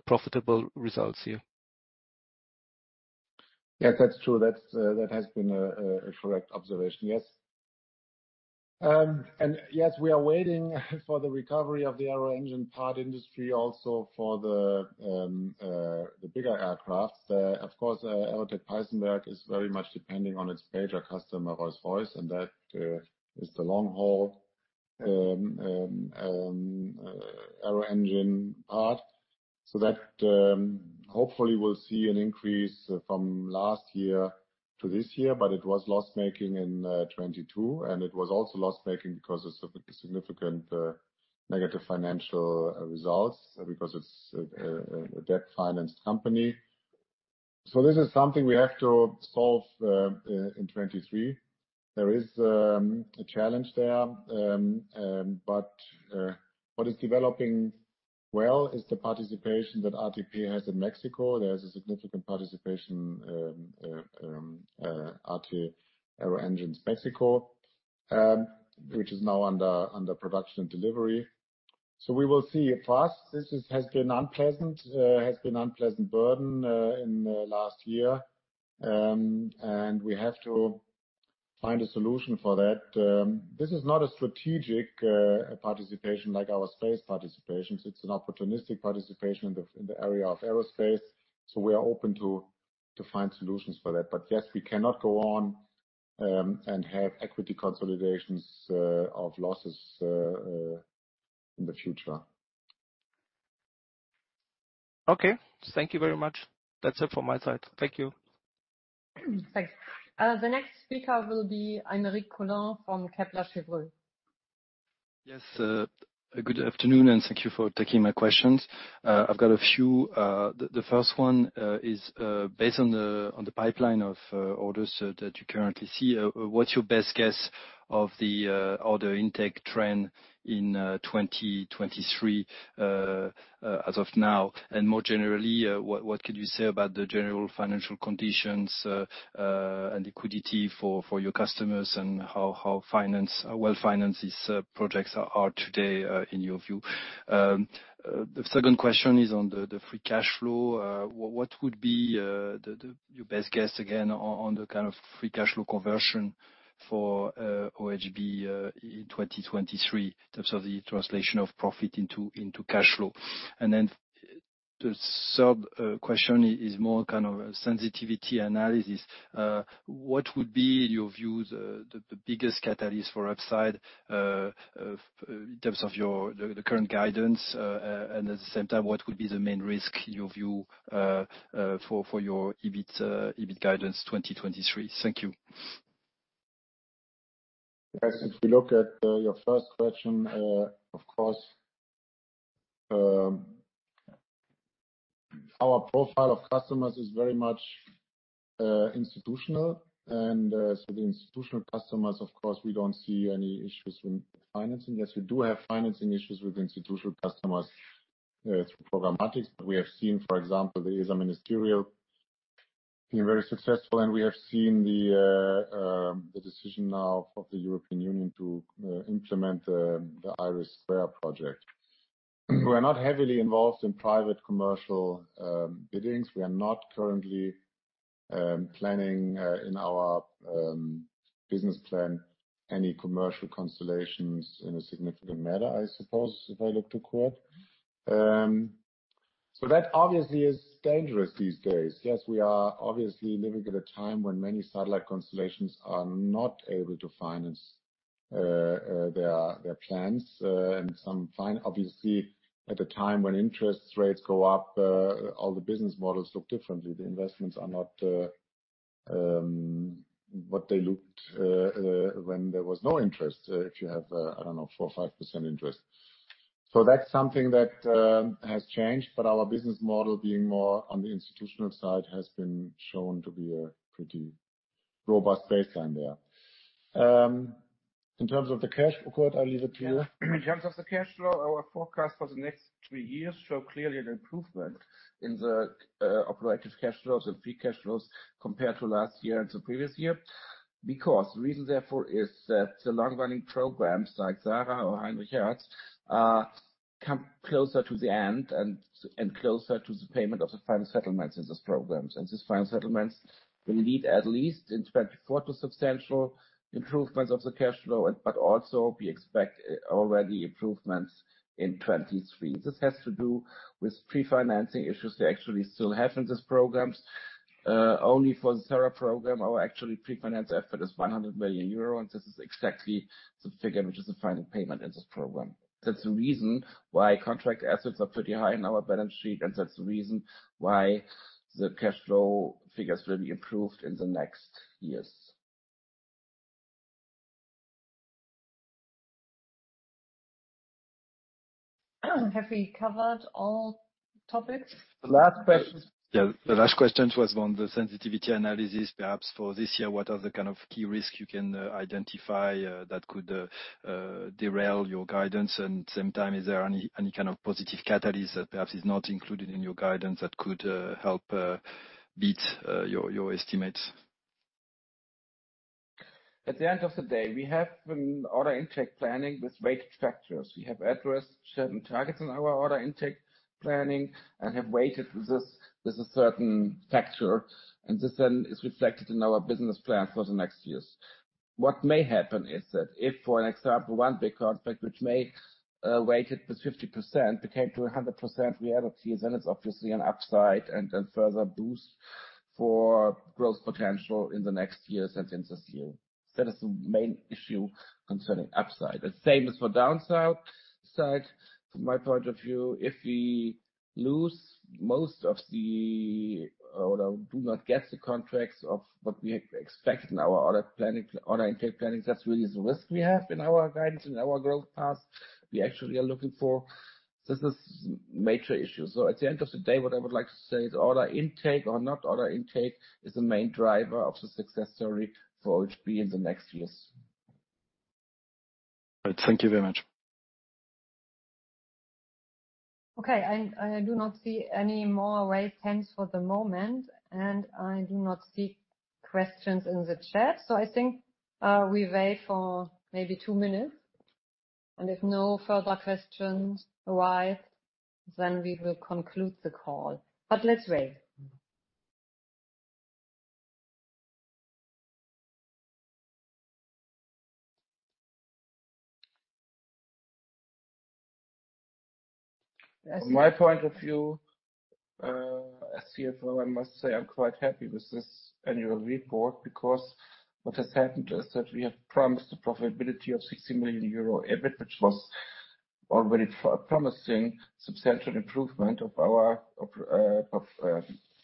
E: profitable results here?
A: Yeah, that's true. That's, that has been a correct observation, yes. Yes, we are waiting for the recovery of the aero engine part industry also for the bigger aircraft. Of course, Aerotech Peissenberg is very much depending on its major customer, Rolls-Royce, and that is the long-haul aero engine part. That, hopefully will see an increase from last year to this year, but it was loss-making in 2022, and it was also loss-making because of significant negative financial results because it's a debt-financed company. This is something we have to solve in 2023. There is a challenge there, what is developing well is the participation that ATP has in Mexico. There's a significant participation, AT Engine Mexico, which is now under production and delivery. We will see. For us, this has been unpleasant burden in the last year. We have to find a solution for that. This is not a strategic participation like our space participation. It's an opportunistic participation in the area of aerospace, we are open to find solutions for that. Yes, we cannot go on and have equity consolidations of losses in the future.
E: Okay. Thank you very much. That is it from my side. Thank you.
B: Thanks. The next speaker will be Aymeric Poulain from Kepler Cheuvreux.
F: Yes. Good afternoon, thank you for taking my questions. I've got a few. The first one is based on the pipeline of orders that you currently see. What's your best guess of the order intake trend in 2023 as of now? More generally, what could you say about the general financial conditions and liquidity for your customers and how well financed these projects are today in your view? The second question is on the free cash flow. What would be your best guess again on the kind of free cash flow conversion for OHB in 2023 in terms of the translation of profit into cash flow? The sub question is more kind of a sensitivity analysis. What would be your view the biggest catalyst for upside, in terms of your current guidance? At the same time, what would be the main risk in your view, for your EBIT guidance 2023? Thank you.
A: Yes, if you look at your first question, of course, our profile of customers is very much institutional. The institutional customers, of course, we don't see any issues with financing. Yes, we do have financing issues with institutional customers through programmatics. We have seen, for example, the ESA ministerial being very successful, and we have seen the decision now of the European Union to implement the IRIS² project. We are not heavily involved in private commercial biddings. We are not currently planning in our business plan any commercial constellations in a significant manner, I suppose, if I look to Kurt. That obviously is dangerous these days. Yes, we are obviously living at a time when many satellite constellations are not able to finance their plans. Some find obviously at a time when interest rates go up, all the business models look differently. The investments are not what they looked when there was no interest, if you have, I don't know, 4% or 5% interest. That's something that has changed, but our business model being more on the institutional side has been shown to be a pretty robust baseline there. In terms of the cash, Kurt, I leave it to you.
D: Yes. In terms of the cash flow, our forecast for the next three years show clearly an improvement in the operative cash flows and free cash flows compared to last year and to previous year. The reason therefore is that the long-running programs like SARah or Heinrich Hertz are come closer to the end and closer to the payment of the final settlements in these programs. These final settlements will lead at least in 2024 to substantial improvements of the cash flow, but also we expect already improvements in 2023. This has to do with pre-financing issues they actually still have in these programs. Only for the SARah program, our actually pre-finance effort is 100 million euro, and this is exactly the figure which is the final payment in this program. That's the reason why contract assets are pretty high in our balance sheet, and that's the reason why the cash flow figures will be improved in the next years.
B: Have we covered all topics?
A: The last question.
F: Yeah, the last question was on the sensitivity analysis. Perhaps for this year, what are the kind of key risks you can identify that could derail your guidance? Same time, is there any kind of positive catalyst that perhaps is not included in your guidance that could help beat your estimates?
D: At the end of the day, we have an order intake planning with weighted factors. We have addressed certain targets in our order intake planning and have weighted this with a certain factor. This then is reflected in our business plan for the next years. What may happen is that if, for an example, one big contract which may weighted with 50% became to 100% reality, then it is obviously an upside and a further boost for growth potential in the next years and in this year. That is the main issue concerning upside. The same is for downside. From my point of view, if we lose most of the or do not get the contracts of what we expect in our order planning, order intake planning, that really is the risk we have in our guidance, in our growth path. We actually are looking for. This is major issue. At the end of the day, what I would like to say is order intake or not order intake is the main driver of the success story for OHB in the next years.
F: All right. Thank you very much.
B: Okay. I do not see any more raised hands for the moment, and I do not see questions in the chat. I think we wait for maybe two minutes, and if no further questions arise, then we will conclude the call. Let's wait.
D: From my point of view, as CFO, I must say I'm quite happy with this annual report because what has happened is that we have promised a profitability of 60 million euro EBIT, which was already promising substantial improvement of our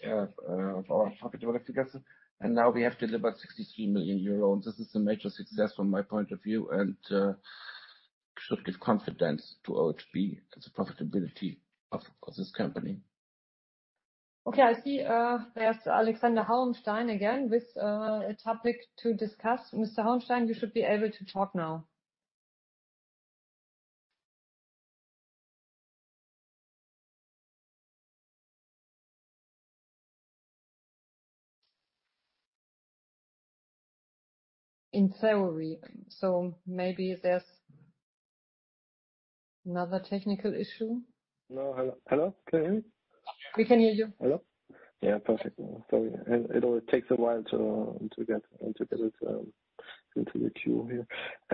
D: profitability, I guess. Now we have delivered 63 million euros. This is a major success from my point of view, and should give confidence to OHB as the profitability of this company.
B: Okay. I see, there's Alexander Hauenstein again with a topic to discuss. Mr. Hauenstein, you should be able to talk now. In theory. Maybe there's another technical issue.
C: No. Hello? Hello? Can you hear me?
B: We can hear you.
C: Hello? Yeah, perfect. Sorry. It always takes a while to get it into the queue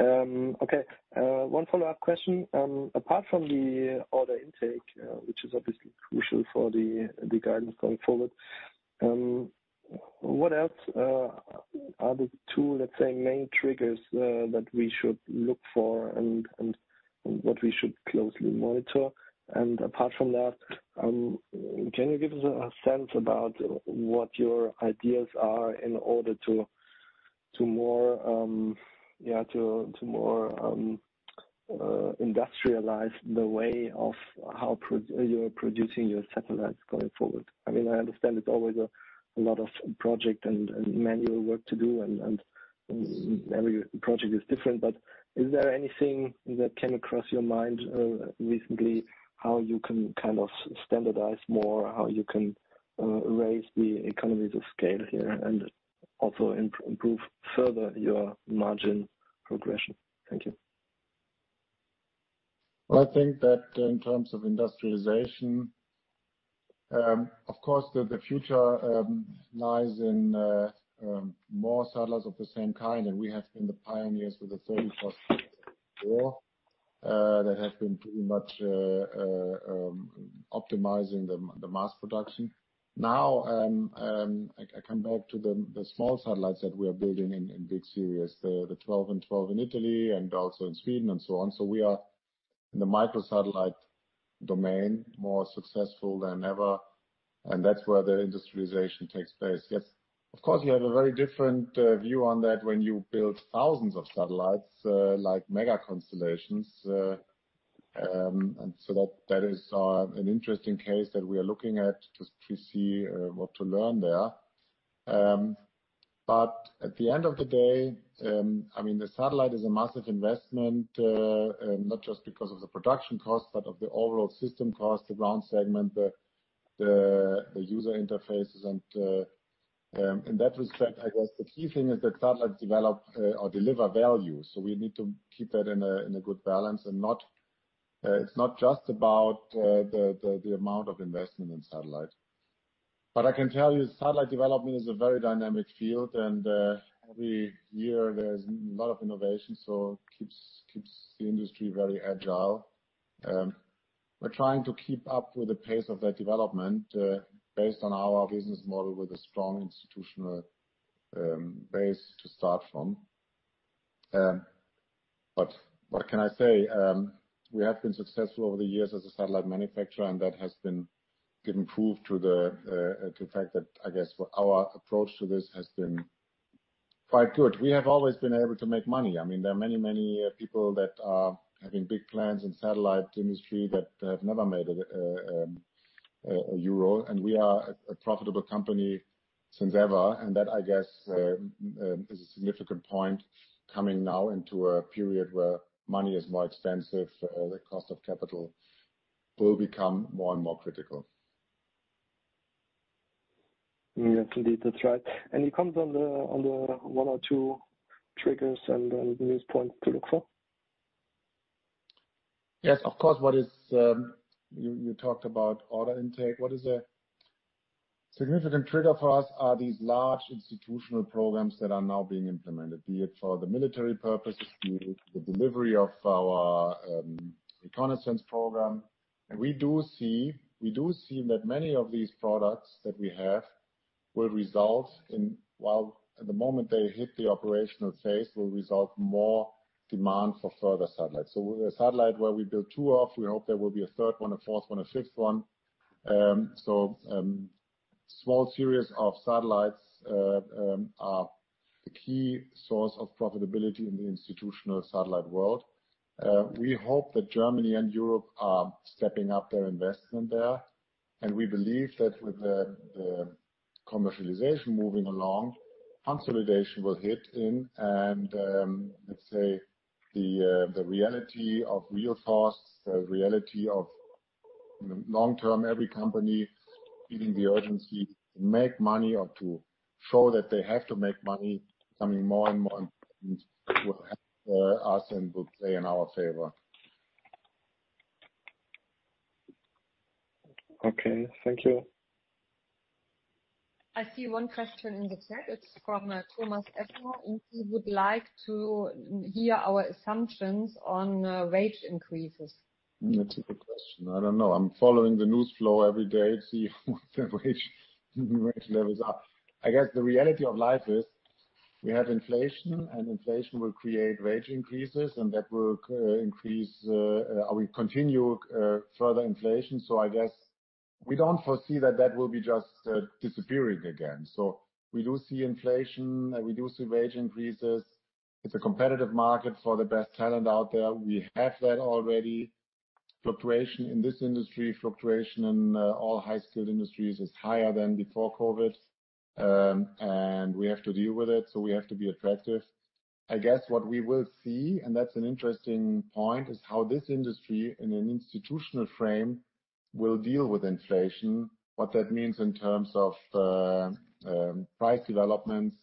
C: here. Okay. One follow-up question. Apart from the order intake, which is obviously crucial for the guidance going forward, what else are the two, let's say, main triggers that we should look for and what we should closely monitor? Apart from that, can you give us a sense about what your ideas are in order to more, yeah, to more industrialize the way of how you're producing your satellites going forward? I mean, I understand it's always a lot of project and manual work to do and every project is different, is there anything that came across your mind recently how you can kind of standardize more, how you can raise the economies of scale here and also improve further your margin progression? Thank you.
A: Well, I think that in terms of industrialization, of course, the future lies in more satellites of the same kind, and we have been the pioneers with the [31st] that have been pretty much optimizing the mass production. Now, I come back to the small satellites that we are building in big series, the 12 and 12 in Italy and also in Sweden and so on. We are in the micro satellite domain, more successful than ever, and that's where the industrialization takes place. Yes, of course, you have a very different view on that when you build thousands of satellites, like mega constellations. That is an interesting case that we are looking at to see what to learn there. At the end of the day, I mean, the satellite is a massive investment, not just because of the production cost, but of the overall system cost, the ground segment, the user interfaces. In that respect, I guess the key thing is that satellites develop or deliver value. We need to keep that in a good balance and not, it's not just about the amount of investment in satellite. I can tell you satellite development is a very dynamic field, and every year there's a lot of innovation, so keeps the industry very agile. We're trying to keep up with the pace of that development, based on our business model with a strong institutional base to start from. What can I say? We have been successful over the years as a satellite manufacturer, and that has been, given proof to the fact that, I guess, our approach to this has been quite good. We have always been able to make money. I mean, there are many, many people that are having big plans in satellite industry that have never made a euro. We are a profitable company since ever. That, I guess, is a significant point coming now into a period where money is more expensive. The cost of capital will become more and more critical.
C: Yes, indeed. That's right. Any comments on the one or two triggers and news points to look for?
A: Yes, of course. You talked about order intake. What is a significant trigger for us are these large institutional programs that are now being implemented, be it for the military purposes, be it the delivery of our reconnaissance program. We do see that many of these products that we have will result in while at the moment they hit the operational phase, will result more demand for further satellites. A satellite where we build two of, we hope there will be a 3rd one, a 4th one, a 5th one. Small series of satellites are the key source of profitability in the institutional satellite world. We hope that Germany and Europe are stepping up their investment there. We believe that with the Commercialization moving along, consolidation will hit in and, let's say the reality of real costs, the reality of long-term, every company feeling the urgency to make money or to show that they have to make money, becoming more and more important will help us and will play in our favor.
C: Okay. Thank you.
B: I see one question in the chat. It is from Thomas Effner. He would like to hear our assumptions on wage increases.
A: That's a good question. I don't know. I'm following the news flow every day to see what the wage levels are. I guess the reality of life is we have inflation. Inflation will create wage increases. That will continue further inflation. I guess we don't foresee that that will be just disappearing again. We do see inflation, we do see wage increases. It's a competitive market for the best talent out there. We have that already. Fluctuation in this industry, fluctuation in all high-skilled industries is higher than before COVID. We have to deal with it. We have to be attractive. I guess what we will see, and that's an interesting point, is how this industry in an institutional frame will deal with inflation, what that means in terms of price developments.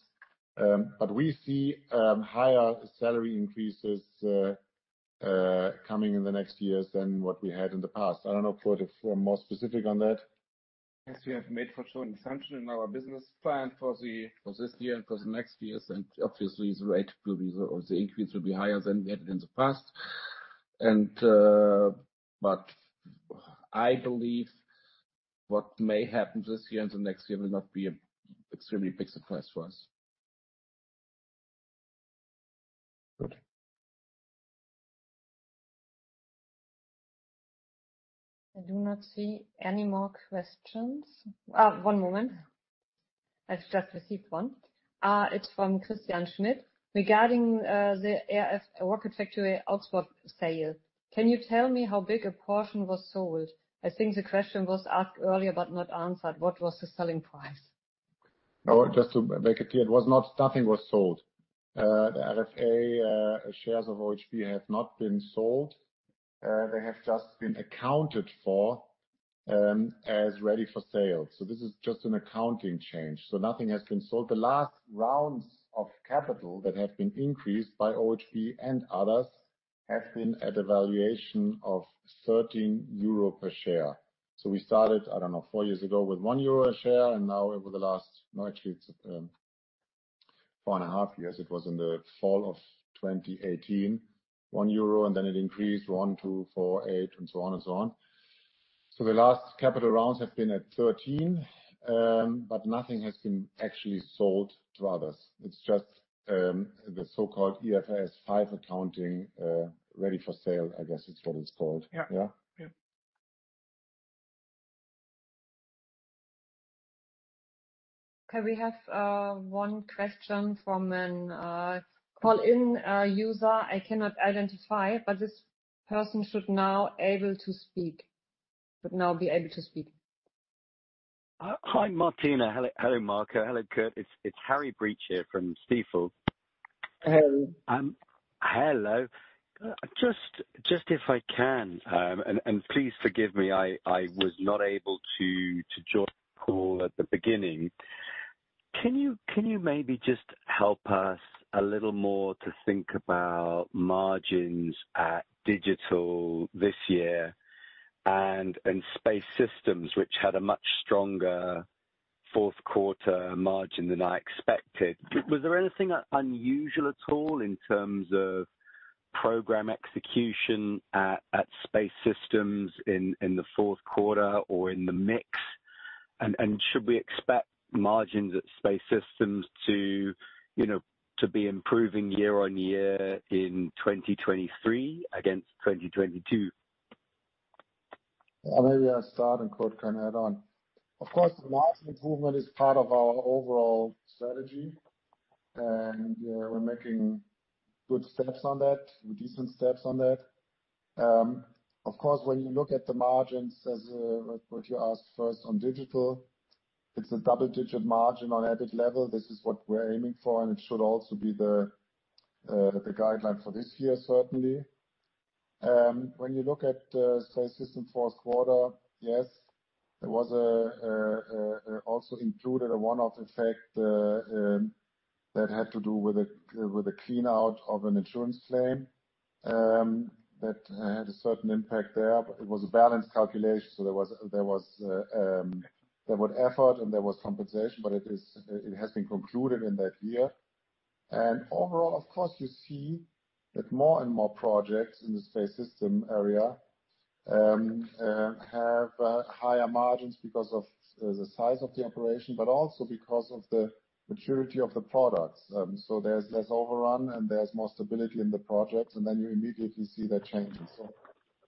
A: We see higher salary increases coming in the next years than what we had in the past. I don't know, Kurt, if you are more specific on that.
D: Yes, we have made for sure an assumption in our business plan for this year and for the next years, and obviously the rate will be, or the increase will be higher than we had it in the past. But I believe what may happen this year and the next year will not be an extremely big surprise for us.
A: Good.
B: I do not see any more questions. One moment. I've just received one. It's from Christian Schmidt. Regarding the RFA Rocket Factory Augsburg sale, can you tell me how big a portion was sold? I think the question was asked earlier but not answered. What was the selling price?
A: Just to make it clear, nothing was sold. The RFA shares of OHB have not been sold. They have just been accounted for as ready for sale. This is just an accounting change. Nothing has been sold. The last rounds of capital that have been increased by OHB and others have been at a valuation of 13 euro per share. We started, I don't know, four years ago with 1 euro a share, now over the last, no, actually it's 4.5 years, it was in the fall of 2018, 1 euro, then it increased 1, 2, 4, 8, and so on and so on. The last capital rounds have been at 13, nothing has been actually sold to others. It's just the so-called IFRS 5 accounting, ready for sale, I guess is what it's called.
D: Yeah.
A: Yeah?
D: Yeah.
B: Okay, we have one question from a call in user I cannot identify, but this person should now be able to speak.
G: Hi, Martina. Hello, Marco. Hello, Kurt. It's Harry Breach here from Stifel.
A: Hello.
G: Hello. Just if I can, and please forgive me, I was not able to join the call at the beginning. Can you maybe just help us a little more to think about margins at Digital this year and Space Systems, which had a much stronger fourth quarter margin than I expected? Was there anything unusual at all in terms of program execution at Space Systems in the fourth quarter or in the mix? Should we expect margins at Space Systems to, you know, to be improving year-on-year in 2023 against 2022?
A: Well, maybe I'll start and Kurt can add on. Of course, the margin improvement is part of our overall strategy, and we're making good steps on that, decent steps on that. Of course, when you look at the margins as what you asked first on Digital, it's a double-digit margin on EBIT level. This is what we're aiming for, and it should also be the guideline for this year, certainly. When you look at Space System fourth quarter, yes, there was a also included a one-off effect that had to do with a with a clean out of an insurance claim that had a certain impact there. It was a balanced calculation, so there was effort and there was compensation, but it has been concluded in that year. Overall, of course, you see that more and more projects in the Space System area have higher margins because of the size of the operation, but also because of the maturity of the products. There's less overrun and there's more stability in the projects, you immediately see that changing.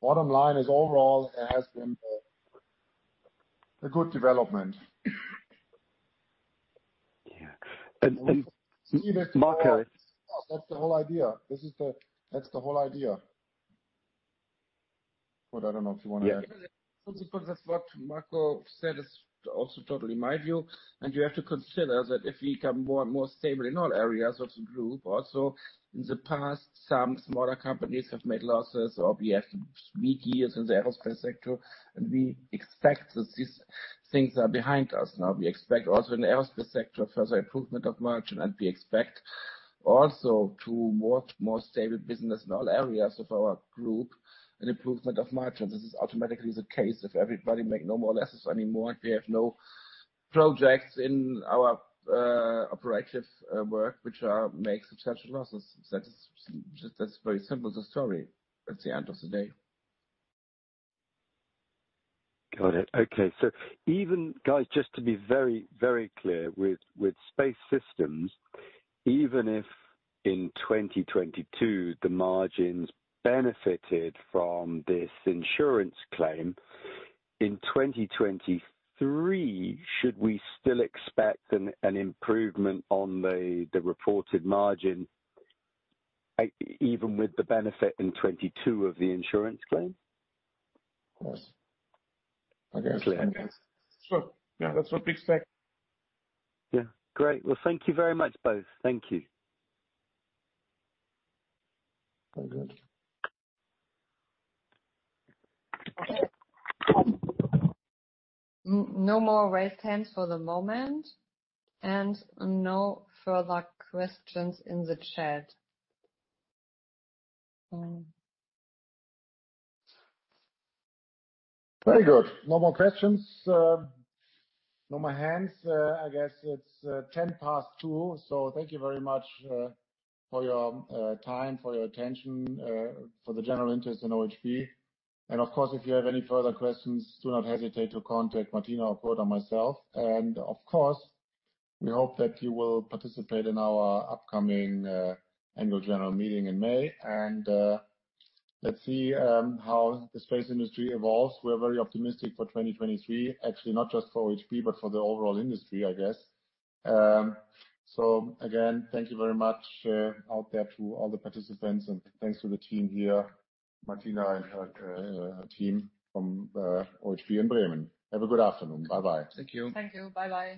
A: Bottom line is overall, it has been a good development.
G: Yeah. Marco.
A: That's the whole idea. I don't know if you wanna add.
G: Yeah.
D: Basically, that's what Marco said is also totally my view. You have to consider that if we become more and more stable in all areas of the group, also in the past, some smaller companies have made losses or we have weak years in the aerospace sector, and we expect that these things are behind us now. We expect also in the aerospace sector a further improvement of margin. We expect also to more stable business in all areas of our group, an improvement of margin. This is automatically the case if everybody make no more losses anymore, and we have no projects in our operative work which make substantial losses. That is just that's very simple, the story, at the end of the day.
G: Got it. Okay. Even Guys, just to be very, very clear with Space Systems, even if in 2022 the margins benefited from this insurance claim, in 2023, should we still expect an improvement on the reported margin even with the benefit in 2022 of the insurance claim?
A: Yes. I guess.
D: I guess.
A: Sure. Yeah, that's what we expect.
G: Yeah. Great. Well, thank you very much, both. Thank you.
A: Very good.
B: No more raised hands for the moment and no further questions in the chat.
A: Very good. No more questions, no more hands. I guess it's 2:10. Thank you very much for your time, for your attention, for the general interest in OHB. Of course, if you have any further questions, do not hesitate to contact Martina or Kurt or myself. Of course, we hope that you will participate in our upcoming annual general meeting in May. Let's see how the space industry evolves. We're very optimistic for 2023, actually, not just for OHB, but for the overall industry, I guess. Again, thank you very much out there to all the participants and thanks to the team here, Martina and her team from OHB in Bremen. Have a good afternoon. Bye-bye.
D: Thank you.
B: Thank you. Bye-bye.